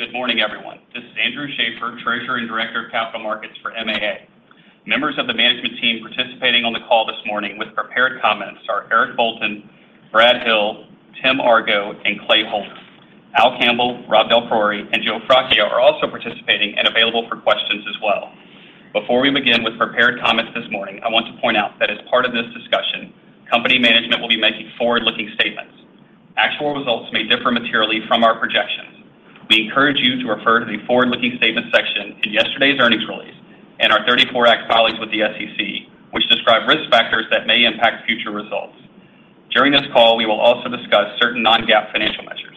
Good morning, everyone. This is Andrew Schaeffer, Treasurer and Director of Capital Markets for MAA. Members of the management team participating on the call this morning with prepared comments are Eric Bolton, Brad Hill, Tim Argo, and Clay Holder. Al Campbell, Rob DelPriore, and Joe Fracchia are also participating and available for questions as well. Before we begin with prepared comments this morning, I want to point out that as part of this discussion, company management will be making forward-looking statements. Actual results may differ materially from our projections. We encourage you to refer to the forward-looking statements section in yesterday's earnings release and our '34 Act filings with the SEC, which describe risk factors that may impact future results. During this call, we will also discuss certain non-GAAP financial measures.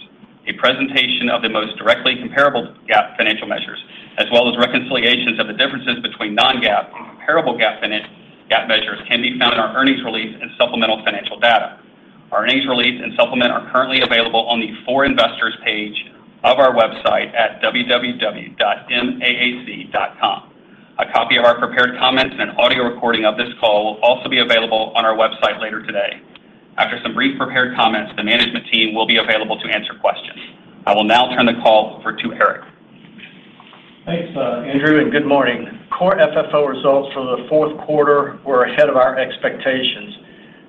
A presentation of the most directly comparable GAAP financial measures, as well as reconciliations of the differences between non-GAAP and comparable GAAP financial measures, can be found in our earnings release and supplemental financial data. Our earnings release and supplement are currently available on the For Investors page of our website at www.maac.com. A copy of our prepared comments and an audio recording of this call will also be available on our website later today. After some brief prepared comments, the management team will be available to answer questions. I will now turn the call over to Eric. Thanks, Andrew, and good morning. Core FFO results for the fourth quarter were ahead of our expectations.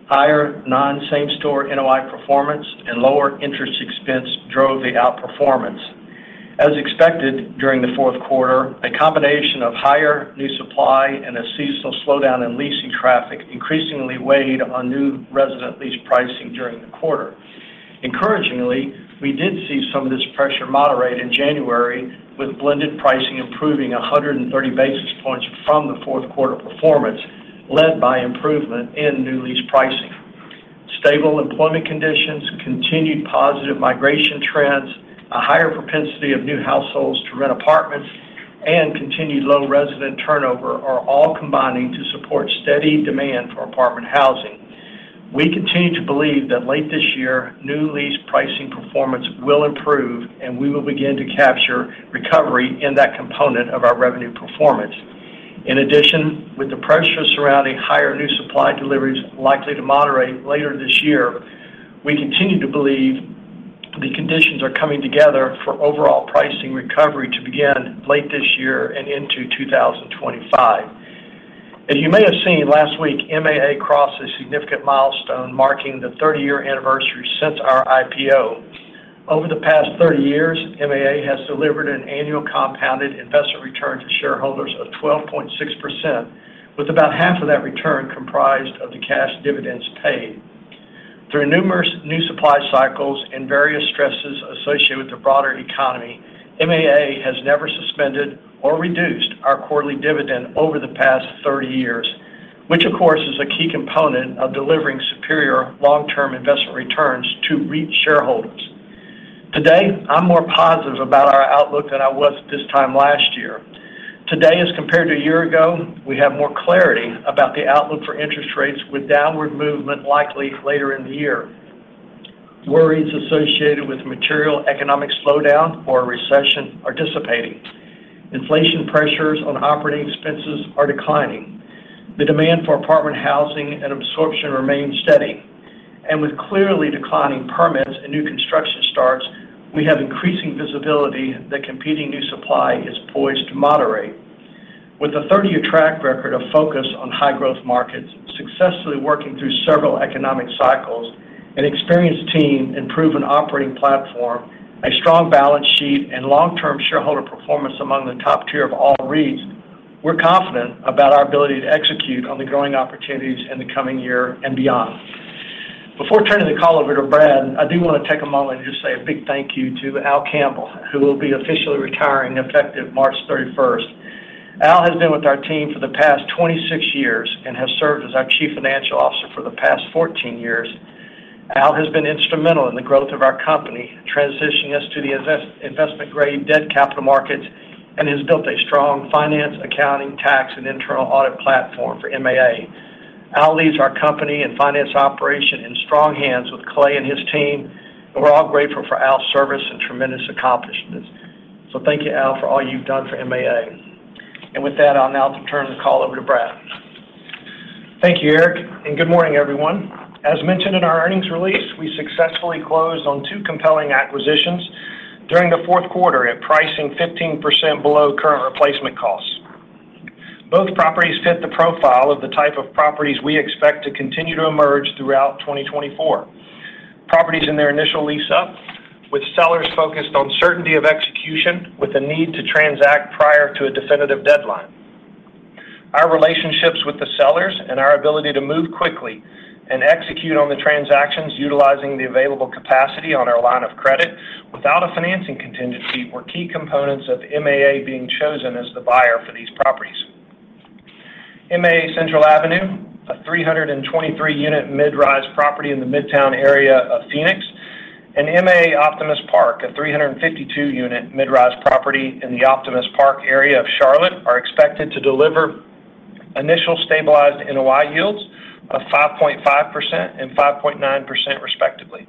Higher non-same store NOI performance and lower interest expense drove the outperformance. As expected, during the fourth quarter, a combination of higher new supply and a seasonal slowdown in leasing traffic increasingly weighed on new resident lease pricing during the quarter. Encouragingly, we did see some of this pressure moderate in January, with blended pricing improving 130 basis points from the fourth quarter performance, led by improvement in new lease pricing. Stable employment conditions, continued positive migration trends, a higher propensity of new households to rent apartments, and continued low resident turnover are all combining to support steady demand for apartment housing. We continue to believe that late this year, new lease pricing performance will improve, and we will begin to capture recovery in that component of our revenue performance. In addition, with the pressure surrounding higher new supply deliveries likely to moderate later this year, we continue to believe the conditions are coming together for overall pricing recovery to begin late this year and into 2025. As you may have seen, last week, MAA crossed a significant milestone, marking the 30-year anniversary since our IPO. Over the past 30 years, MAA has delivered an annual compounded investment return to shareholders of 12.6%, with about half of that return comprised of the cash dividends paid. Through numerous new supply cycles and various stresses associated with the broader economy, MAA has never suspended or reduced our quarterly dividend over the past 30 years, which, of course, is a key component of delivering superior long-term investment returns to REIT shareholders. Today, I'm more positive about our outlook than I was this time last year. Today, as compared to a year ago, we have more clarity about the outlook for interest rates, with downward movement likely later in the year. Worries associated with material economic slowdown or recession are dissipating. Inflation pressures on operating expenses are declining. The demand for apartment housing and absorption remains steady, and with clearly declining permits and new construction starts, we have increasing visibility that competing new supply is poised to moderate. With a 30-year track record of focus on high-growth markets, successfully working through several economic cycles, an experienced team and proven operating platform, a strong balance sheet, and long-term shareholder performance among the top tier of all REITs, we're confident about our ability to execute on the growing opportunities in the coming year and beyond. Before turning the call over to Brad, I do want to take a moment to just say a big thank you to Al Campbell, who will be officially retiring, effective March 31. Al has been with our team for the past 26 years and has served as our Chief Financial Officer for the past 14 years. Al has been instrumental in the growth of our company, transitioning us to the investment grade debt capital markets, and has built a strong finance, accounting, tax, and internal audit platform for MAA. Al leaves our company and finance operation in strong hands with Clay and his team, and we're all grateful for Al's service and tremendous accomplishments. Thank you, Al, for all you've done for MAA. With that, I'll now turn the call over to Brad. Thank you, Eric, and good morning, everyone. As mentioned in our earnings release, we successfully closed on two compelling acquisitions during the fourth quarter at pricing 15% below current replacement costs. Both properties fit the profile of the type of properties we expect to continue to emerge throughout 2024. Properties in their initial lease-up, with sellers focused on certainty of execution, with a need to transact prior to a definitive deadline. Our relationships with the sellers and our ability to move quickly and execute on the transactions utilizing the available capacity on our line of credit without a financing contingency, were key components of MAA being chosen as the buyer for these properties. MAA Central Avenue, a 323-unit mid-rise property in the midtown area of Phoenix, and MAA Optimist Park, a 352-unit mid-rise property in the Optimist Park area of Charlotte, are expected to deliver initial stabilized NOI yields of 5.5% and 5.9%, respectively.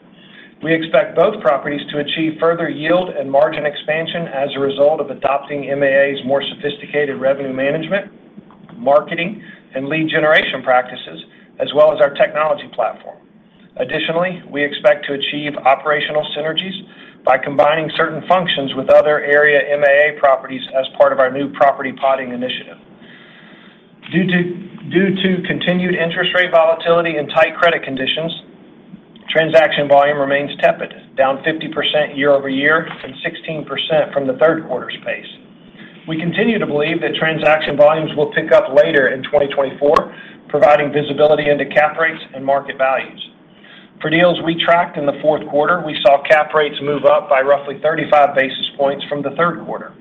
We expect both properties to achieve further yield and margin expansion as a result of adopting MAA's more sophisticated revenue management, marketing, and lead generation practices, as well as our technology platform. Additionally, we expect to achieve operational synergies by combining certain functions with other area MAA properties as part of our new property podding initiative. Due to continued interest rate volatility and tight credit conditions, transaction volume remains tepid, down 50% year-over-year and 16% from the third quarter's pace. We continue to believe that transaction volumes will pick up later in 2024, providing visibility into cap rates and market values. For deals we tracked in the fourth quarter, we saw cap rates move up by roughly 35 basis points from the third quarter.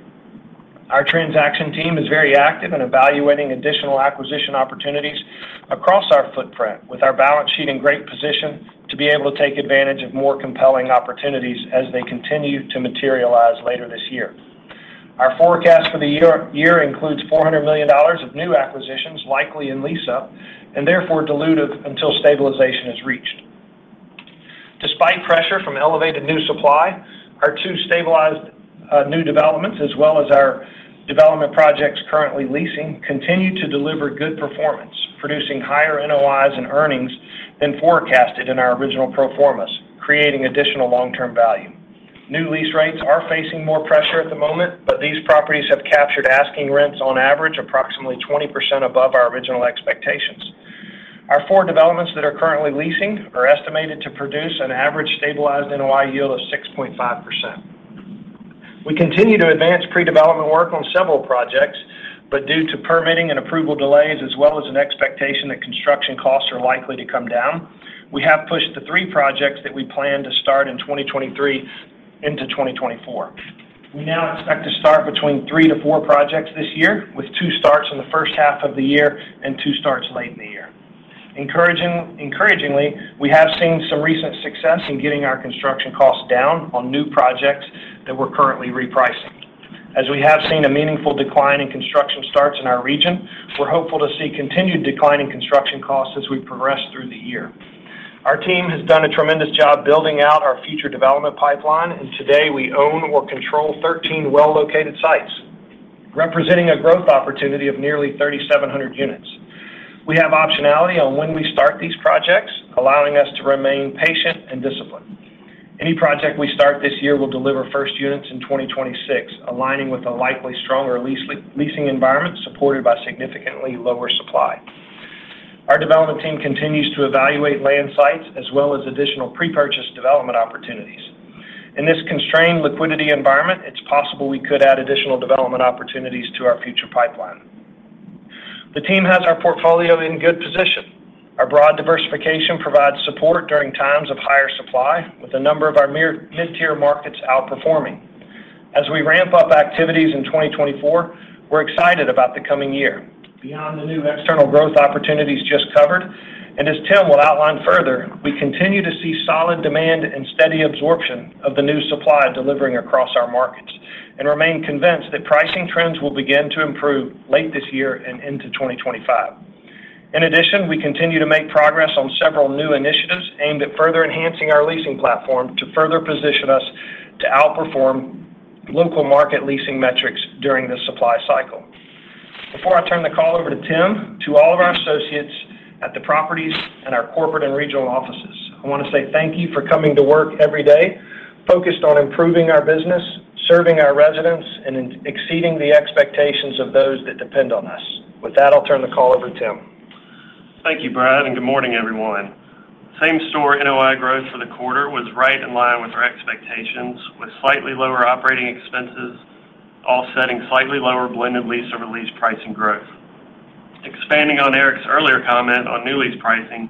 Our transaction team is very active in evaluating additional acquisition opportunities across our footprint, with our balance sheet in great position to be able to take advantage of more compelling opportunities as they continue to materialize later this year. Our forecast for the year includes $400 million of new acquisitions, likely in lease-up, and therefore dilutive until stabilization is reached. Despite pressure from elevated new supply, our two stabilized new developments, as well as our development projects currently leasing, continue to deliver good performance, producing higher NOIs and earnings than forecasted in our original pro formas, creating additional long-term value. New lease rates are facing more pressure at the moment, but these properties have captured asking rents on average, approximately 20% above our original expectations. Our four developments that are currently leasing are estimated to produce an average stabilized NOI yield of 6.5%. We continue to advance pre-development work on several projects, but due to permitting and approval delays, as well as an expectation that construction costs are likely to come down, we have pushed the three projects that we planned to start in 2023 into 2024. We now expect to start between three to four projects this year, with two starts in the first half of the year and two starts late in the year. Encouragingly, we have seen some recent success in getting our construction costs down on new projects that we're currently repricing. As we have seen a meaningful decline in construction starts in our region, we're hopeful to see continued decline in construction costs as we progress through the year. Our team has done a tremendous job building out our future development pipeline, and today, we own or control 13 well-located sites, representing a growth opportunity of nearly 3,700 units. We have optionality on when we start these projects, allowing us to remain patient and disciplined. Any project we start this year will deliver first units in 2026, aligning with a likely stronger leasing environment supported by significantly lower supply. Our development team continues to evaluate land sites as well as additional pre-purchase development opportunities. In this constrained liquidity environment, it's possible we could add additional development opportunities to our future pipeline. The team has our portfolio in good position. Our broad diversification provides support during times of higher supply, with a number of our mid-tier markets outperforming. As we ramp up activities in 2024, we're excited about the coming year. Beyond the new external growth opportunities just covered, and as Tim will outline further, we continue to see solid demand and steady absorption of the new supply delivering across our markets, and remain convinced that pricing trends will begin to improve late this year and into 2025. In addition, we continue to make progress on several new initiatives aimed at further enhancing our leasing platform to further position us to outperform local market leasing metrics during this supply cycle. Before I turn the call over to Tim, to all of our associates at the properties and our corporate and regional offices, I want to say thank you for coming to work every day, focused on improving our business, serving our residents, and exceeding the expectations of those that depend on us. With that, I'll turn the call over to Tim. Thank you, Brad, and good morning, everyone. Same-Store NOI growth for the quarter was right in line with our expectations, with slightly lower operating expenses, offsetting slightly lower blended lease-over-lease pricing growth. Expanding on Eric's earlier comment on new lease pricing,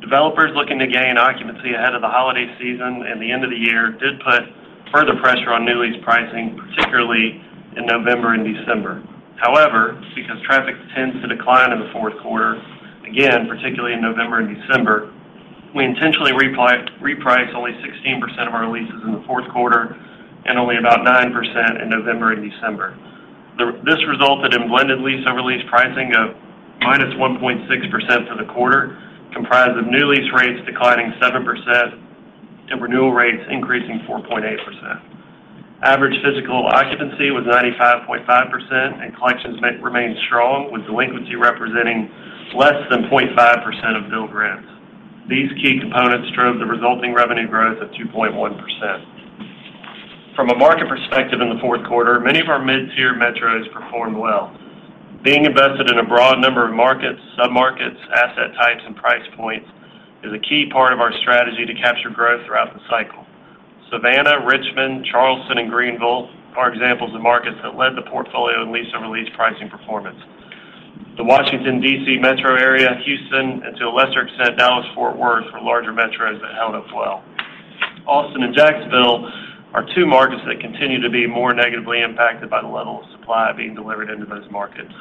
developers looking to gain occupancy ahead of the holiday season and the end of the year did put further pressure on new lease pricing, particularly in November and December. However, because traffic tends to decline in the fourth quarter, again, particularly in November and December, we intentionally reprice only 16% of our leases in the fourth quarter and only about 9% in November and December. This resulted in blended lease-over-lease pricing of minus 1.6% for the quarter, comprised of new lease rates declining 7% and renewal rates increasing 4.8%. Average physical occupancy was 95.5%, and collections remain strong, with delinquency representing less than 0.5% of billings. These key components drove the resulting revenue growth of 2.1%. From a market perspective in the fourth quarter, many of our mid-tier metros performed well. Being invested in a broad number of markets, submarkets, asset types, and price points is a key part of our strategy to capture growth throughout the cycle. Savannah, Richmond, Charleston, and Greenville are examples of markets that led the portfolio in lease and renewal lease pricing performance. The Washington, D.C. metro area, Houston, and to a lesser extent, Dallas-Fort Worth, were larger metros that held up well. Austin and Jacksonville are two markets that continue to be more negatively impacted by the level of supply being delivered into those markets.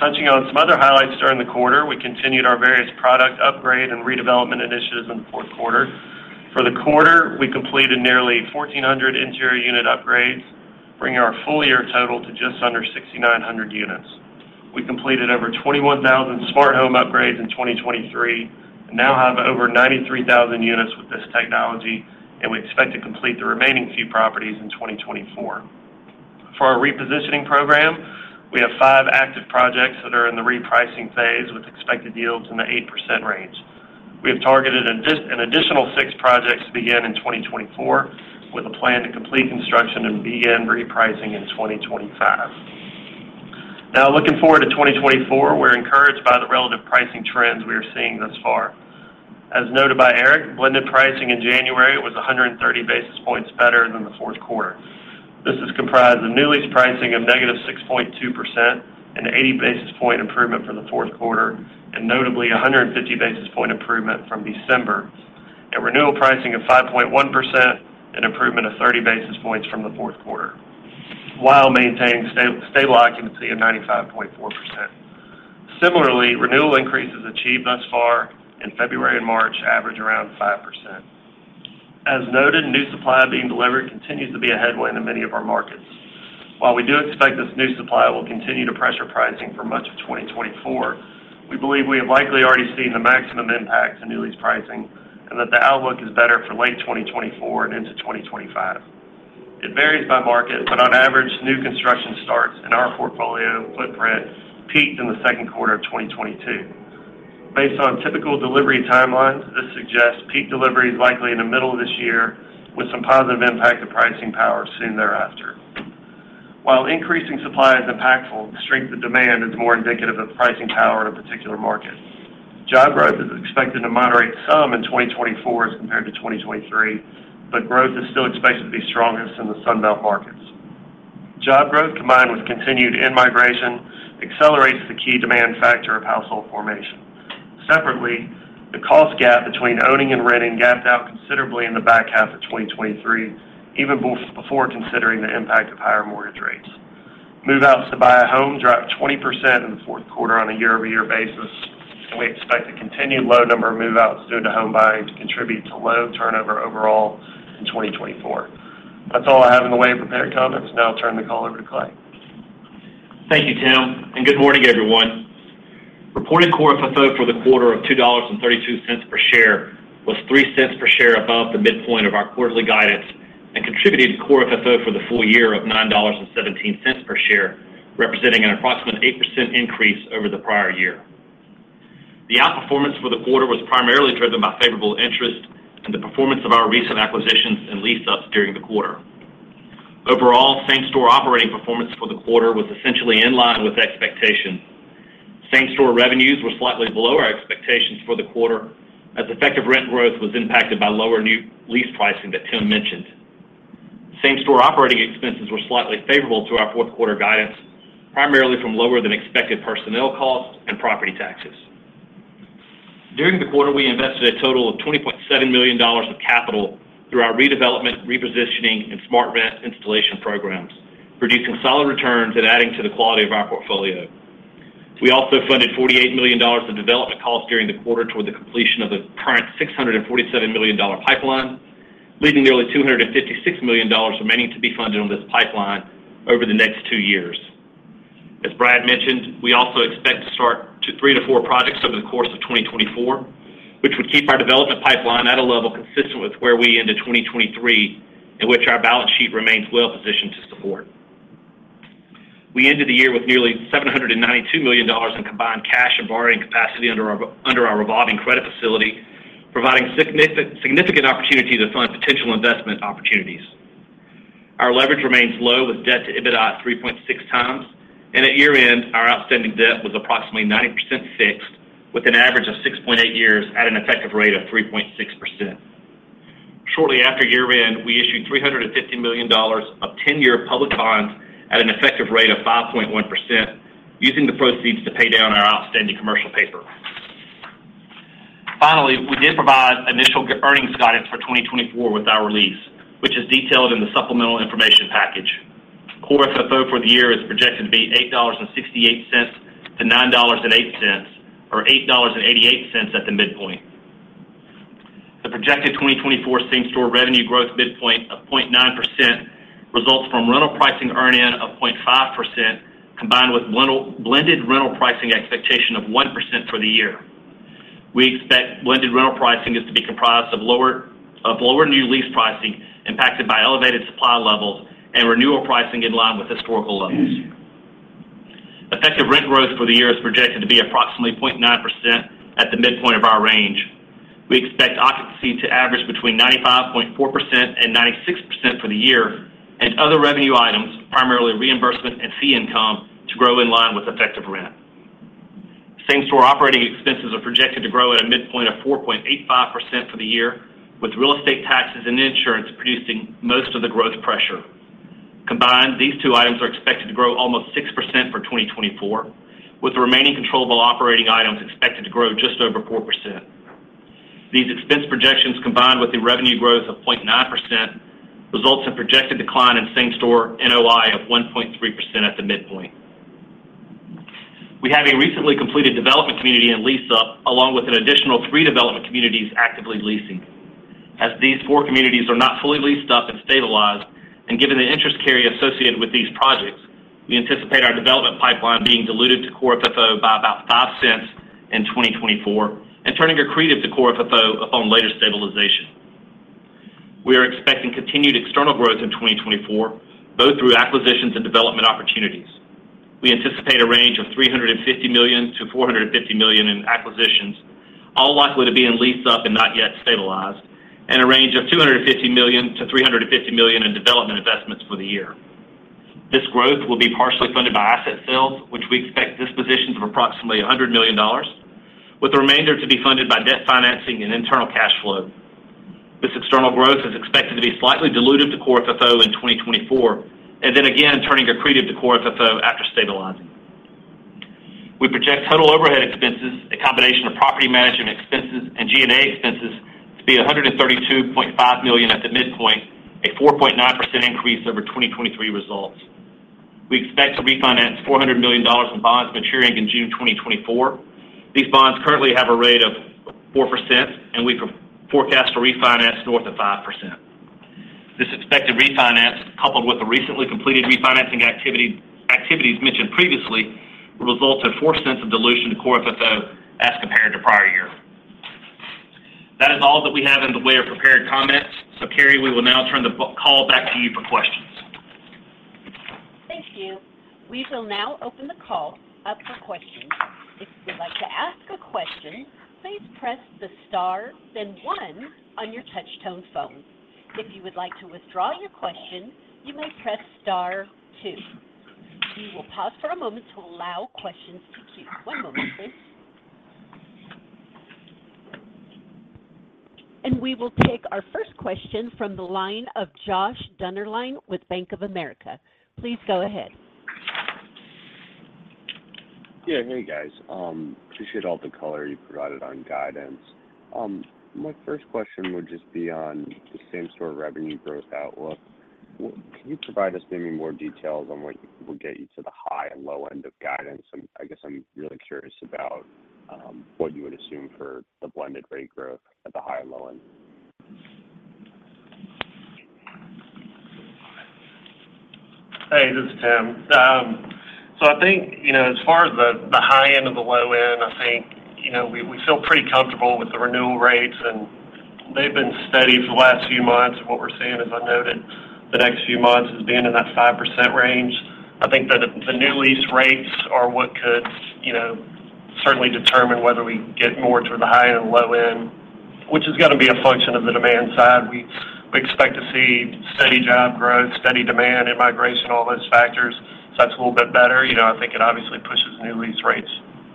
Touching on some other highlights during the quarter, we continued our various product upgrade and redevelopment initiatives in the fourth quarter. For the quarter, we completed nearly 1,400 interior unit upgrades, bringing our full-year total to just under 6,900 units. We completed over 21,000 smart home upgrades in 2023 and now have over 93,000 units with this technology, and we expect to complete the remaining few properties in 2024. For our repositioning program, we have 5 active projects that are in the repricing phase with expected yields in the 8% range. We have targeted an additional 6 projects to begin in 2024, with a plan to complete construction and begin repricing in 2025. Now, looking forward to 2024, we're encouraged by the relative pricing trends we are seeing thus far. As noted by Eric, blended pricing in January was 130 basis points better than the fourth quarter. This is comprised of new lease pricing of -6.2% and 80 basis points improvement from the fourth quarter, and notably, a 150 basis points improvement from December. At renewal pricing of 5.1%, an improvement of 30 basis points from the fourth quarter, while maintaining stable occupancy of 95.4%. Similarly, renewal increases achieved thus far in February and March average around 5%. As noted, new supply being delivered continues to be a headwind in many of our markets. While we do expect this new supply will continue to pressure pricing for much of 2024, we believe we have likely already seen the maximum impact to new lease pricing and that the outlook is better for late 2024 and into 2025. It varies by market, but on average, new construction starts in our portfolio footprint peaked in the second quarter of 2022. Based on typical delivery timelines, this suggests peak delivery is likely in the middle of this year, with some positive impact to pricing power soon thereafter. While increasing supply is impactful, the strength of demand is more indicative of pricing power in a particular market. Job growth is expected to moderate some in 2024 as compared to 2023, but growth is still expected to be strongest in the Sun Belt markets. Job growth, combined with continued in-migration, accelerates the key demand factor of household formation. Separately, the cost gap between owning and renting gapped out considerably in the back half of 2023, even before considering the impact of higher mortgage rates. Move-outs to buy a home dropped 20% in the fourth quarter on a year-over-year basis, and we expect a continued low number of move-outs due to home buying to contribute to low turnover overall in 2024. That's all I have in the way of prepared comments. Now I'll turn the call over to Clay. Thank you, Tim, and good morning, everyone. Reported Core FFO for the quarter of $2.32 per share was $0.03 per share above the midpoint of our quarterly guidance and contributed to Core FFO for the full year of $9.17 per share, representing an approximate 8% increase over the prior year. The outperformance for the quarter was primarily driven by favorable interest and the performance of our recent acquisitions and lease-ups during the quarter. Overall, Same-Store operating performance for the quarter was essentially in line with expectation. Same-Store revenues were slightly below our expectations for the quarter, as effective rent growth was impacted by lower new lease pricing that Tim mentioned. Same-Store operating expenses were slightly favorable to our fourth quarter guidance, primarily from lower than expected personnel costs and property taxes. During the quarter, we invested a total of $20.7 million of capital through our redevelopment, repositioning, and SmartRent installation programs, producing solid returns and adding to the quality of our portfolio. We also funded $48 million of development costs during the quarter toward the completion of the current $647 million pipeline, leaving nearly $256 million remaining to be funded on this pipeline over the next two years. As Brad mentioned, we also expect to start two, three to four projects over the course of 2024, which would keep our development pipeline at a level consistent with where we ended 2023, in which our balance sheet remains well positioned to support. We ended the year with nearly $792 million in combined cash and borrowing capacity under our revolving credit facility, providing significant opportunity to fund potential investment opportunities. Our leverage remains low, with debt to EBITDA at 3.6 times, and at year-end, our outstanding debt was approximately 90% fixed, with an average of 6.8 years at an effective rate of 3.6%. Shortly after year-end, we issued $350 million of 10-year public bonds at an effective rate of 5.1%, using the proceeds to pay down our outstanding commercial paper. Finally, we did provide initial earnings guidance for 2024 with our release, which is detailed in the supplemental information package. Core FFO for the year is projected to be $8.68-$9.08, or $8.88 at the midpoint. The projected 2024 Same-Store revenue growth midpoint of 0.9% results from rental pricing earn-in of 0.5%, combined with rental-blended rental pricing expectation of 1% for the year. We expect blended rental pricing is to be comprised of lower new lease pricing, impacted by elevated supply levels and renewal pricing in line with historical levels. Effective rent growth for the year is projected to be approximately 0.9% at the midpoint of our range. We expect occupancy to average between 95.4% and 96% for the year, and other revenue items, primarily reimbursement and fee income, to grow in line with effective rent. Same-Store operating expenses are projected to grow at a midpoint of 4.85% for the year, with real estate taxes and insurance producing most of the growth pressure. Combined, these two items are expected to grow almost 6% for 2024, with the remaining controllable operating items expected to grow just over 4%. These expense projections, combined with the revenue growth of 0.9%, results in projected decline in Same-Store NOI of 1.3% at the midpoint. We have a recently completed development community in lease-up, along with an additional three development communities actively leasing. As these four communities are not fully leased-up and stabilized, and given the interest carry associated with these projects, we anticipate our development pipeline being diluted to Core FFO by about $0.05 in 2024 and turning accretive to Core FFO upon later stabilization. We are expecting continued external growth in 2024, both through acquisitions and development opportunities. We anticipate a range of $350 million-$450 million in acquisitions, all likely to be in lease-up and not yet stabilized, and a range of $250 million-$350 million in development investments for the year. This growth will be partially funded by asset sales, which we expect dispositions of approximately $100 million, with the remainder to be funded by debt financing and internal cash flow. This external growth is expected to be slightly dilutive to Core FFO in 2024, and then again, turning accretive to Core FFO after stabilizing. We project total overhead expenses, a combination of property management expenses and G&A expenses, to be $132.5 million at the midpoint, a 4.9% increase over 2023 results. We expect to refinance $400 million in bonds maturing in June 2024. These bonds currently have a rate of 4%, and we forecast to refinance north of 5%. This expected refinance, coupled with the recently completed refinancing activity, activities mentioned previously, will result in $0.04 of dilution to Core FFO as compared to prior year. That is all that we have in the way of prepared comments. So Carrie, we will now turn the call back to you for questions. Thank you. We will now open the call up for questions. If you would like to ask a question, please press the star, then one on your touch tone phone. If you would like to withdraw your question, you may press star two. We will pause for a moment to allow questions to queue. One moment, please. We will take our first question from the line of Josh Dennerlein with Bank of America. Please go ahead. Yeah. Hey, guys. Appreciate all the color you provided on guidance. My first question would just be on the Same-Store revenue growth outlook. Can you provide us maybe more details on what will get you to the high and low end of guidance? And I guess I'm really curious about, what you would assume for the blended rate growth at the high and low end. Hey, this is Tim. So I think, you know, as far as the high end and the low end, I think, you know, we feel pretty comfortable with the renewal rates, and they've been steady for the last few months. And what we're seeing, as I noted, the next few months, is being in that 5% range. I think that the new lease rates are what could, you know, certainly determine whether we get more toward the high and the low end, which is gonna be a function of the demand side. We expect to see steady job growth, steady demand, immigration, all those factors. So that's a little bit better. You know, I think it obviously pushes new lease rates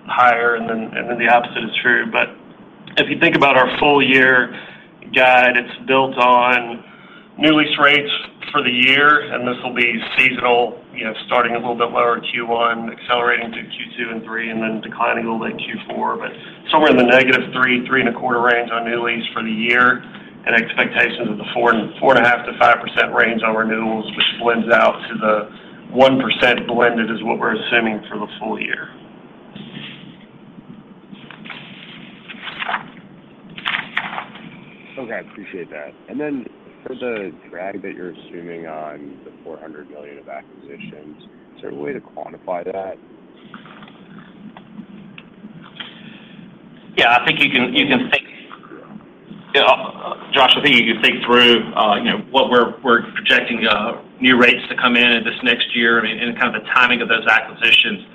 higher, and then the opposite is true. But if you think about our full year guide, it's built on new lease rates for the year, and this will be seasonal, you know, starting a little bit lower in Q1, accelerating to Q2 and Q3, and then declining a little bit in Q4. But somewhere in the -3% to -3.25% range on new lease for the year, and expectations of the 4.5%-5% range on renewals, which blends out to the 1% blended, is what we're assuming for the full year. Okay, I appreciate that. And then for the drag that you're assuming on the $400 million of acquisitions, is there a way to quantify that? Yeah, I think you can think through, you know, what we're projecting, new rates to come in this next year and kind of the timing of those acquisitions.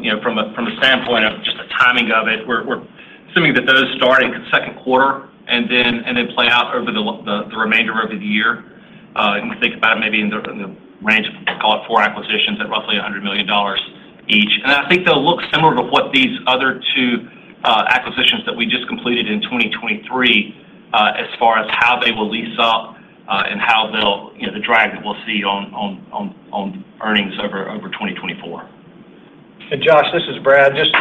You know, from a standpoint of just the timing of it, we're assuming that those start in second quarter and then play out over the remainder of the year. And we think about it maybe in the range of, call it four acquisitions at roughly $100 million each. And I think they'll look similar to what these other two acquisitions that we just completed in 2023, as far as how they will lease up, and how they'll, you know, the drag that we'll see on earnings over 2024. And Josh, this is Brad. Just,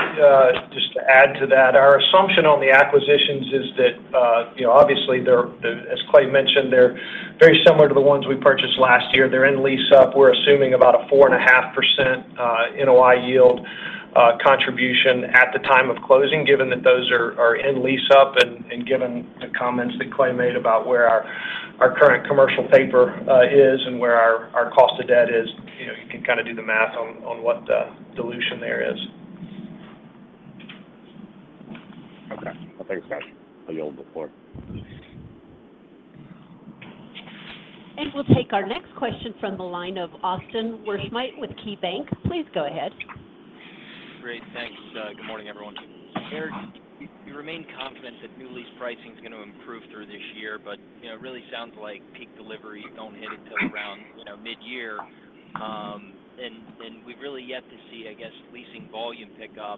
just to add to that, our assumption on the acquisitions is that, you know, obviously, they're, as Clay mentioned, they're very similar to the ones we purchased last year. They're in lease-up. We're assuming about a 4.5% NOI yield contribution at the time of closing, given that those are, are in lease-up, and, and given the comments that Clay made about where our, our current commercial paper is and where our, our cost of debt is, you know, you can kind of do the math on, on what the dilution there is. Okay. Well, thanks, guys. I yield the floor. We'll take our next question from the line of Austin Wurschmidt with KeyBanc. Please go ahead. Great. Thanks. Good morning, everyone. Eric, you remain confident that new lease pricing is going to improve through this year, but, you know, it really sounds like peak delivery don't hit until around, you know, mid-year. And we've really yet to see, I guess, leasing volume pick up.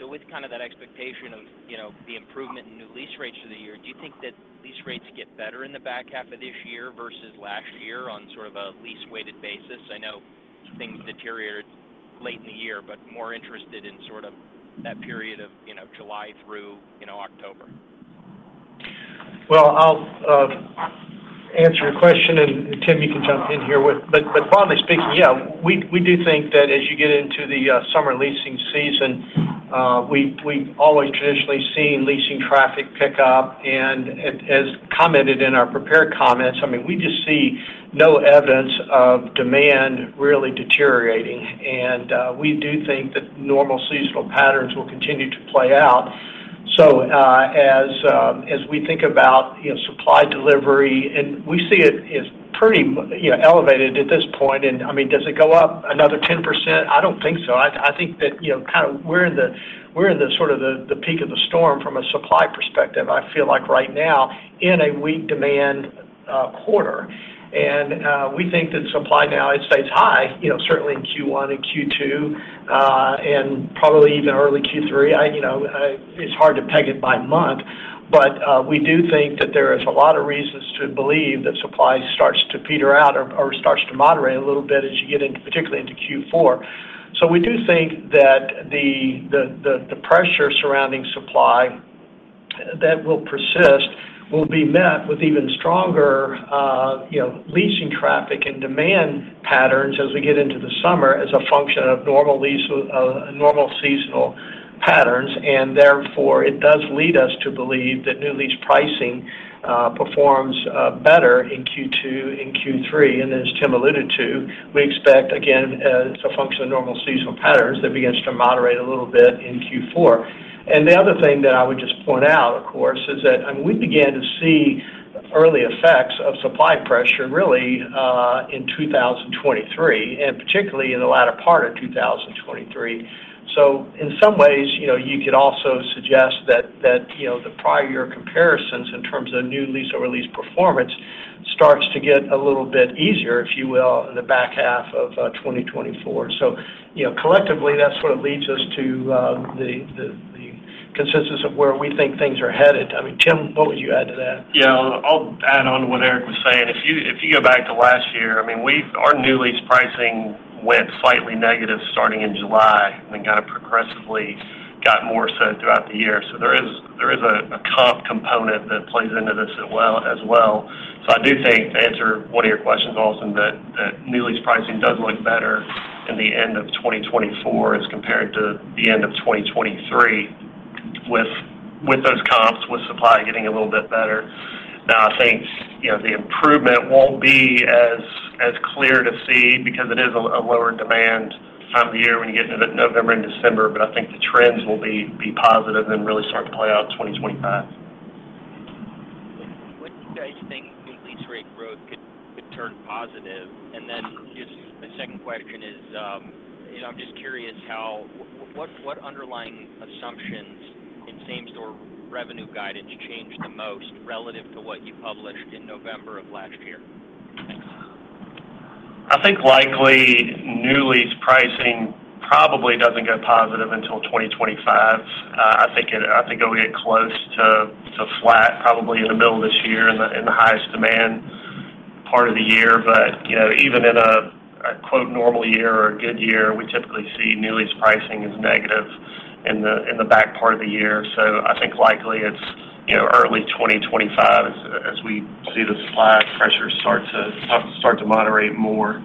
So with kind of that expectation of, you know, the improvement in new lease rates for the year, do you think that lease rates get better in the back half of this year versus last year on sort of a lease-weighted basis? I know things deteriorated late in the year, but more interested in sort of that period of, you know, July through, you know, October. Well, I'll answer your question, and Tim, you can jump in here with. But broadly speaking, yeah, we do think that as you get into the summer leasing season, we've always traditionally seen leasing traffic pick up. And as commented in our prepared comments, I mean, we just see no evidence of demand really deteriorating. And we do think that normal seasonal patterns will continue to play out. So, as we think about, you know, supply delivery, and we see it as pretty, you know, elevated at this point. And, I mean, does it go up another 10%? I don't think so. I think that, you know, kind of we're in sort of the peak of the storm from a supply perspective. I feel like right now, in a weak demand quarter, and we think that supply now it stays high, you know, certainly in Q1 and Q2, and probably even early Q3. You know, it's hard to peg it by month, but we do think that there is a lot of reasons to believe that supply starts to peter out or starts to moderate a little bit as you get into, particularly into Q4. So we do think that the pressure surrounding supply that will persist will be met with even stronger, you know, leasing traffic and demand patterns as we get into the summer, as a function of normal lease, normal seasonal patterns. And therefore, it does lead us to believe that new lease pricing performs better in Q2 and Q3. And as Tim alluded to, we expect, again, as a function of normal seasonal patterns, that begins to moderate a little bit in Q4. And the other thing that I would just point out, of course, is that, I mean, we began to see early effects of supply pressure really in 2023, and particularly in the latter part of 2023. So in some ways, you know, you could also suggest that the prior year comparisons in terms of new lease or lease performance starts to get a little bit easier, if you will, in the back half of 2024. So, you know, collectively, that's what leads us to the consensus of where we think things are headed. I mean, Tim, what would you add to that? Yeah. I'll add on to what Eric was saying. If you go back to last year, I mean, we, our new lease pricing went slightly negative starting in July, and then kind of progressively got more so throughout the year. So there is a comp component that plays into this as well. So I do think, to answer one of your questions, Austin, that new lease pricing does look better in the end of 2024 as compared to the end of 2023, with those comps, with supply getting a little bit better. Now, I think, you know, the improvement won't be as clear to see because it is a lower demand time of the year when you get into November and December, but I think the trends will be positive and really start to play out in 2025. When do you guys think new lease rate growth could turn positive? And then just my second question is, you know, I'm just curious how... What underlying assumptions in Same-Store revenue guidance changed the most relative to what you published in November of last year? I think likely new lease pricing probably doesn't go positive until 2025. I think it will get close to flat, probably in the middle of this year, in the highest demand part of the year. But, you know, even in a quote, "normal year" or a good year, we typically see new lease pricing is negative in the back part of the year. So I think likely it's, you know, early 2025 as we see the supply pressure start to moderate more.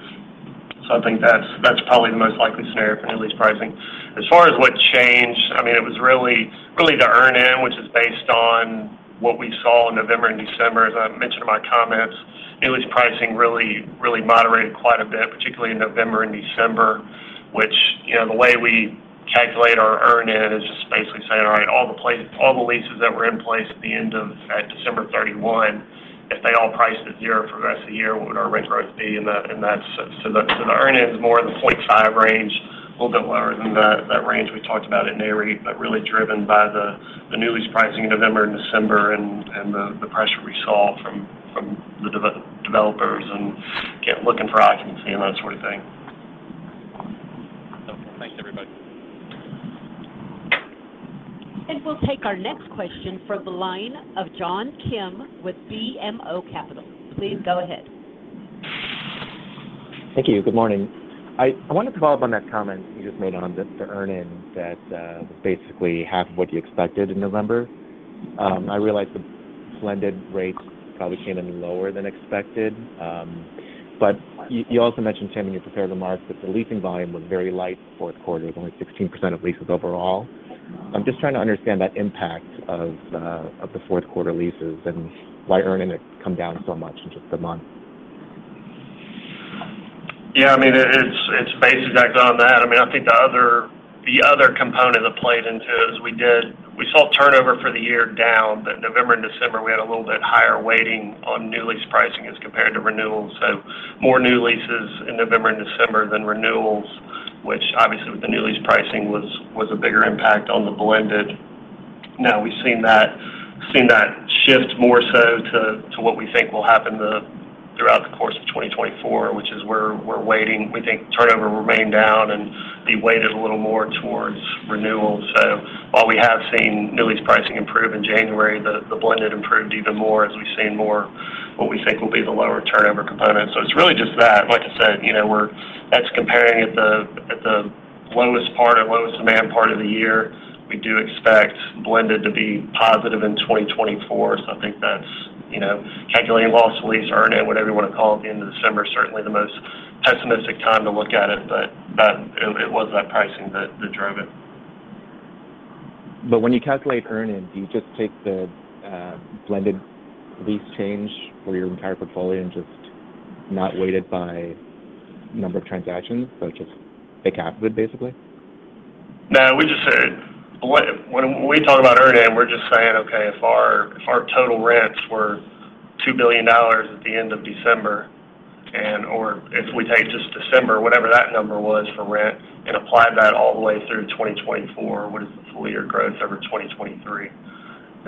So I think that's probably the most likely scenario for new lease pricing. As far as what changed, I mean, it was really the earn-in, which is based on what we saw in November and December. As I mentioned in my comments, new lease pricing really, really moderated quite a bit, particularly in November and December, which, you know, the way we calculate our earn-in is just basically saying, all right, all the places, all the leases that were in place at the end of December 31, if they all priced at zero for the rest of the year, what would our rent growth be? And that's, so the earn-in is more in the 0.5 range, a little bit lower than that range we talked about at Nareit, but really driven by the new lease pricing in November and December, and the pressure we saw from developers and, again, looking for occupancy and that sort of thing. Okay. Thanks, everybody. We'll take our next question from the line of John Kim with BMO Capital. Please go ahead. Thank you. Good morning. I wanted to follow up on that comment you just made on just the earn-in that basically half of what you expected in November. I realize the blended rates probably came in lower than expected, but you also mentioned, Tim, in your prepared remarks, that the leasing volume was very light fourth quarter, it was only 16% of leases overall. I'm just trying to understand that impact of the fourth quarter leases and why earn-in had come down so much in just a month. Yeah, I mean, it's based exactly on that. I mean, I think the other component that played into it is we saw turnover for the year down, but November and December, we had a little bit higher weighting on new lease pricing as compared to renewals. So more new leases in November and December than renewals, which obviously, with the new lease pricing was a bigger impact on the blended. Now, we've seen that shift more so to what we think will happen throughout the course of 2024, which is where we're weighting. We think turnover will remain down and be weighted a little more towards renewals. So while we have seen new lease pricing improve in January, the blended improved even more as we've seen more what we think will be the lower turnover component. So it's really just that. Like I said, you know, that's comparing at the, at the lowest part or lowest demand part of the year. We do expect blended to be positive in 2024. So I think that's, you know, calculating loss-to-lease, earn-in, whatever you want to call it, at the end of December, certainly the most pessimistic time to look at it, but it was that pricing that drove it. But when you calculate earn-in, do you just take the blended lease pricing for your entire portfolio and just not weighted by number of transactions, so just the cap rate would basically? No, we just said, when we talk about earn-In, we're just saying, okay, if our total rents were $2 billion at the end of December, and/or if we take just December, whatever that number was for rent, and apply that all the way through 2024, what is the full year growth over 2023?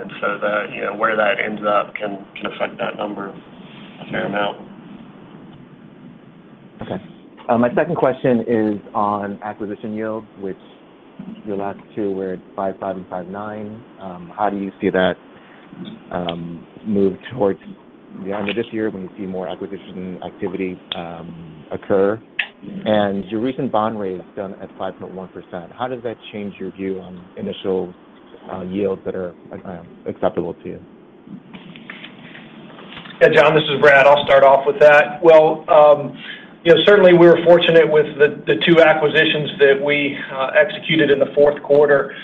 And so that, you know, where that ends up can affect that number a fair amount. Okay. My second question is on acquisition yields, which your last two were at 5.5% and 5.9%. How do you see that move towards the end of this year when you see more acquisition activity occur? And your recent bond raise done at 5.1%, how does that change your view on initial yields that are acceptable to you? Yeah, John, this is Brad. I'll start off with that. Well, you know, certainly we were fortunate with the two acquisitions that we executed in the fourth quarter.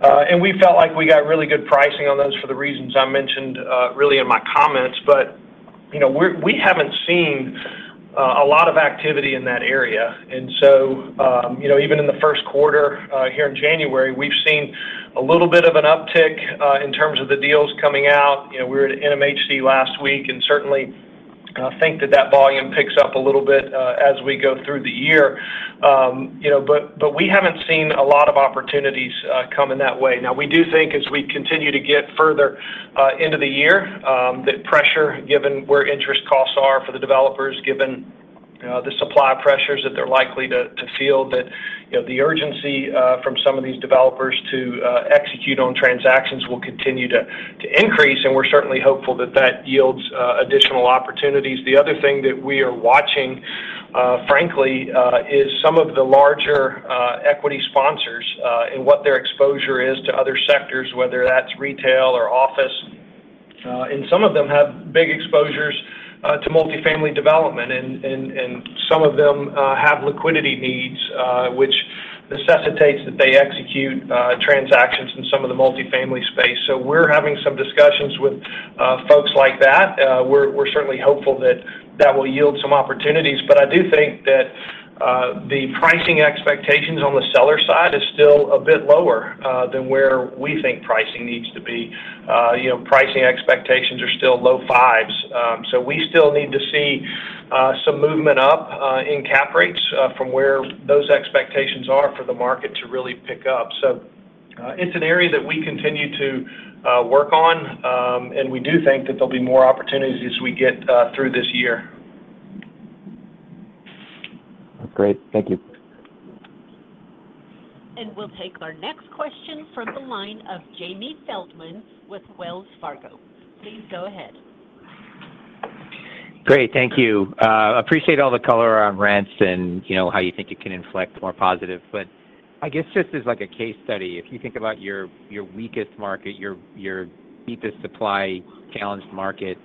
And we felt like we got really good pricing on those for the reasons I mentioned really in my comments. But, you know, we haven't seen a lot of activity in that area. And so, you know, even in the first quarter here in January, we've seen a little bit of an uptick in terms of the deals coming out. You know, we were at NMHC last week, and certainly think that that volume picks up a little bit as we go through the year. You know, but we haven't seen a lot of opportunities coming that way. Now, we do think as we continue to get further into the year that pressure, given where interest costs are for the developers, given the supply pressures, that they're likely to feel that, you know, the urgency from some of these developers to execute on transactions will continue to increase, and we're certainly hopeful that that yields additional opportunities. The other thing that we are watching, frankly, is some of the larger equity sponsors and what their exposure is to other sectors, whether that's retail or office. And some of them have big exposures to multifamily development, and some of them have liquidity needs which necessitates that they execute transactions in some of the multifamily space. So we're having some discussions with folks like that. We're certainly hopeful that that will yield some opportunities. But I do think that the pricing expectations on the seller side is still a bit lower than where we think pricing needs to be. You know, pricing expectations are still low fives. So we still need to see some movement up in cap rates from where those expectations are for the market to really pick up. So it's an area that we continue to work on, and we do think that there'll be more opportunities as we get through this year. Great. Thank you. We'll take our next question from the line of Jamie Feldman with Wells Fargo. Please go ahead. Great, thank you. Appreciate all the color on rents and, you know, how you think it can inflect more positive. But I guess just as like a case study, if you think about your weakest market, your deepest supply challenged market,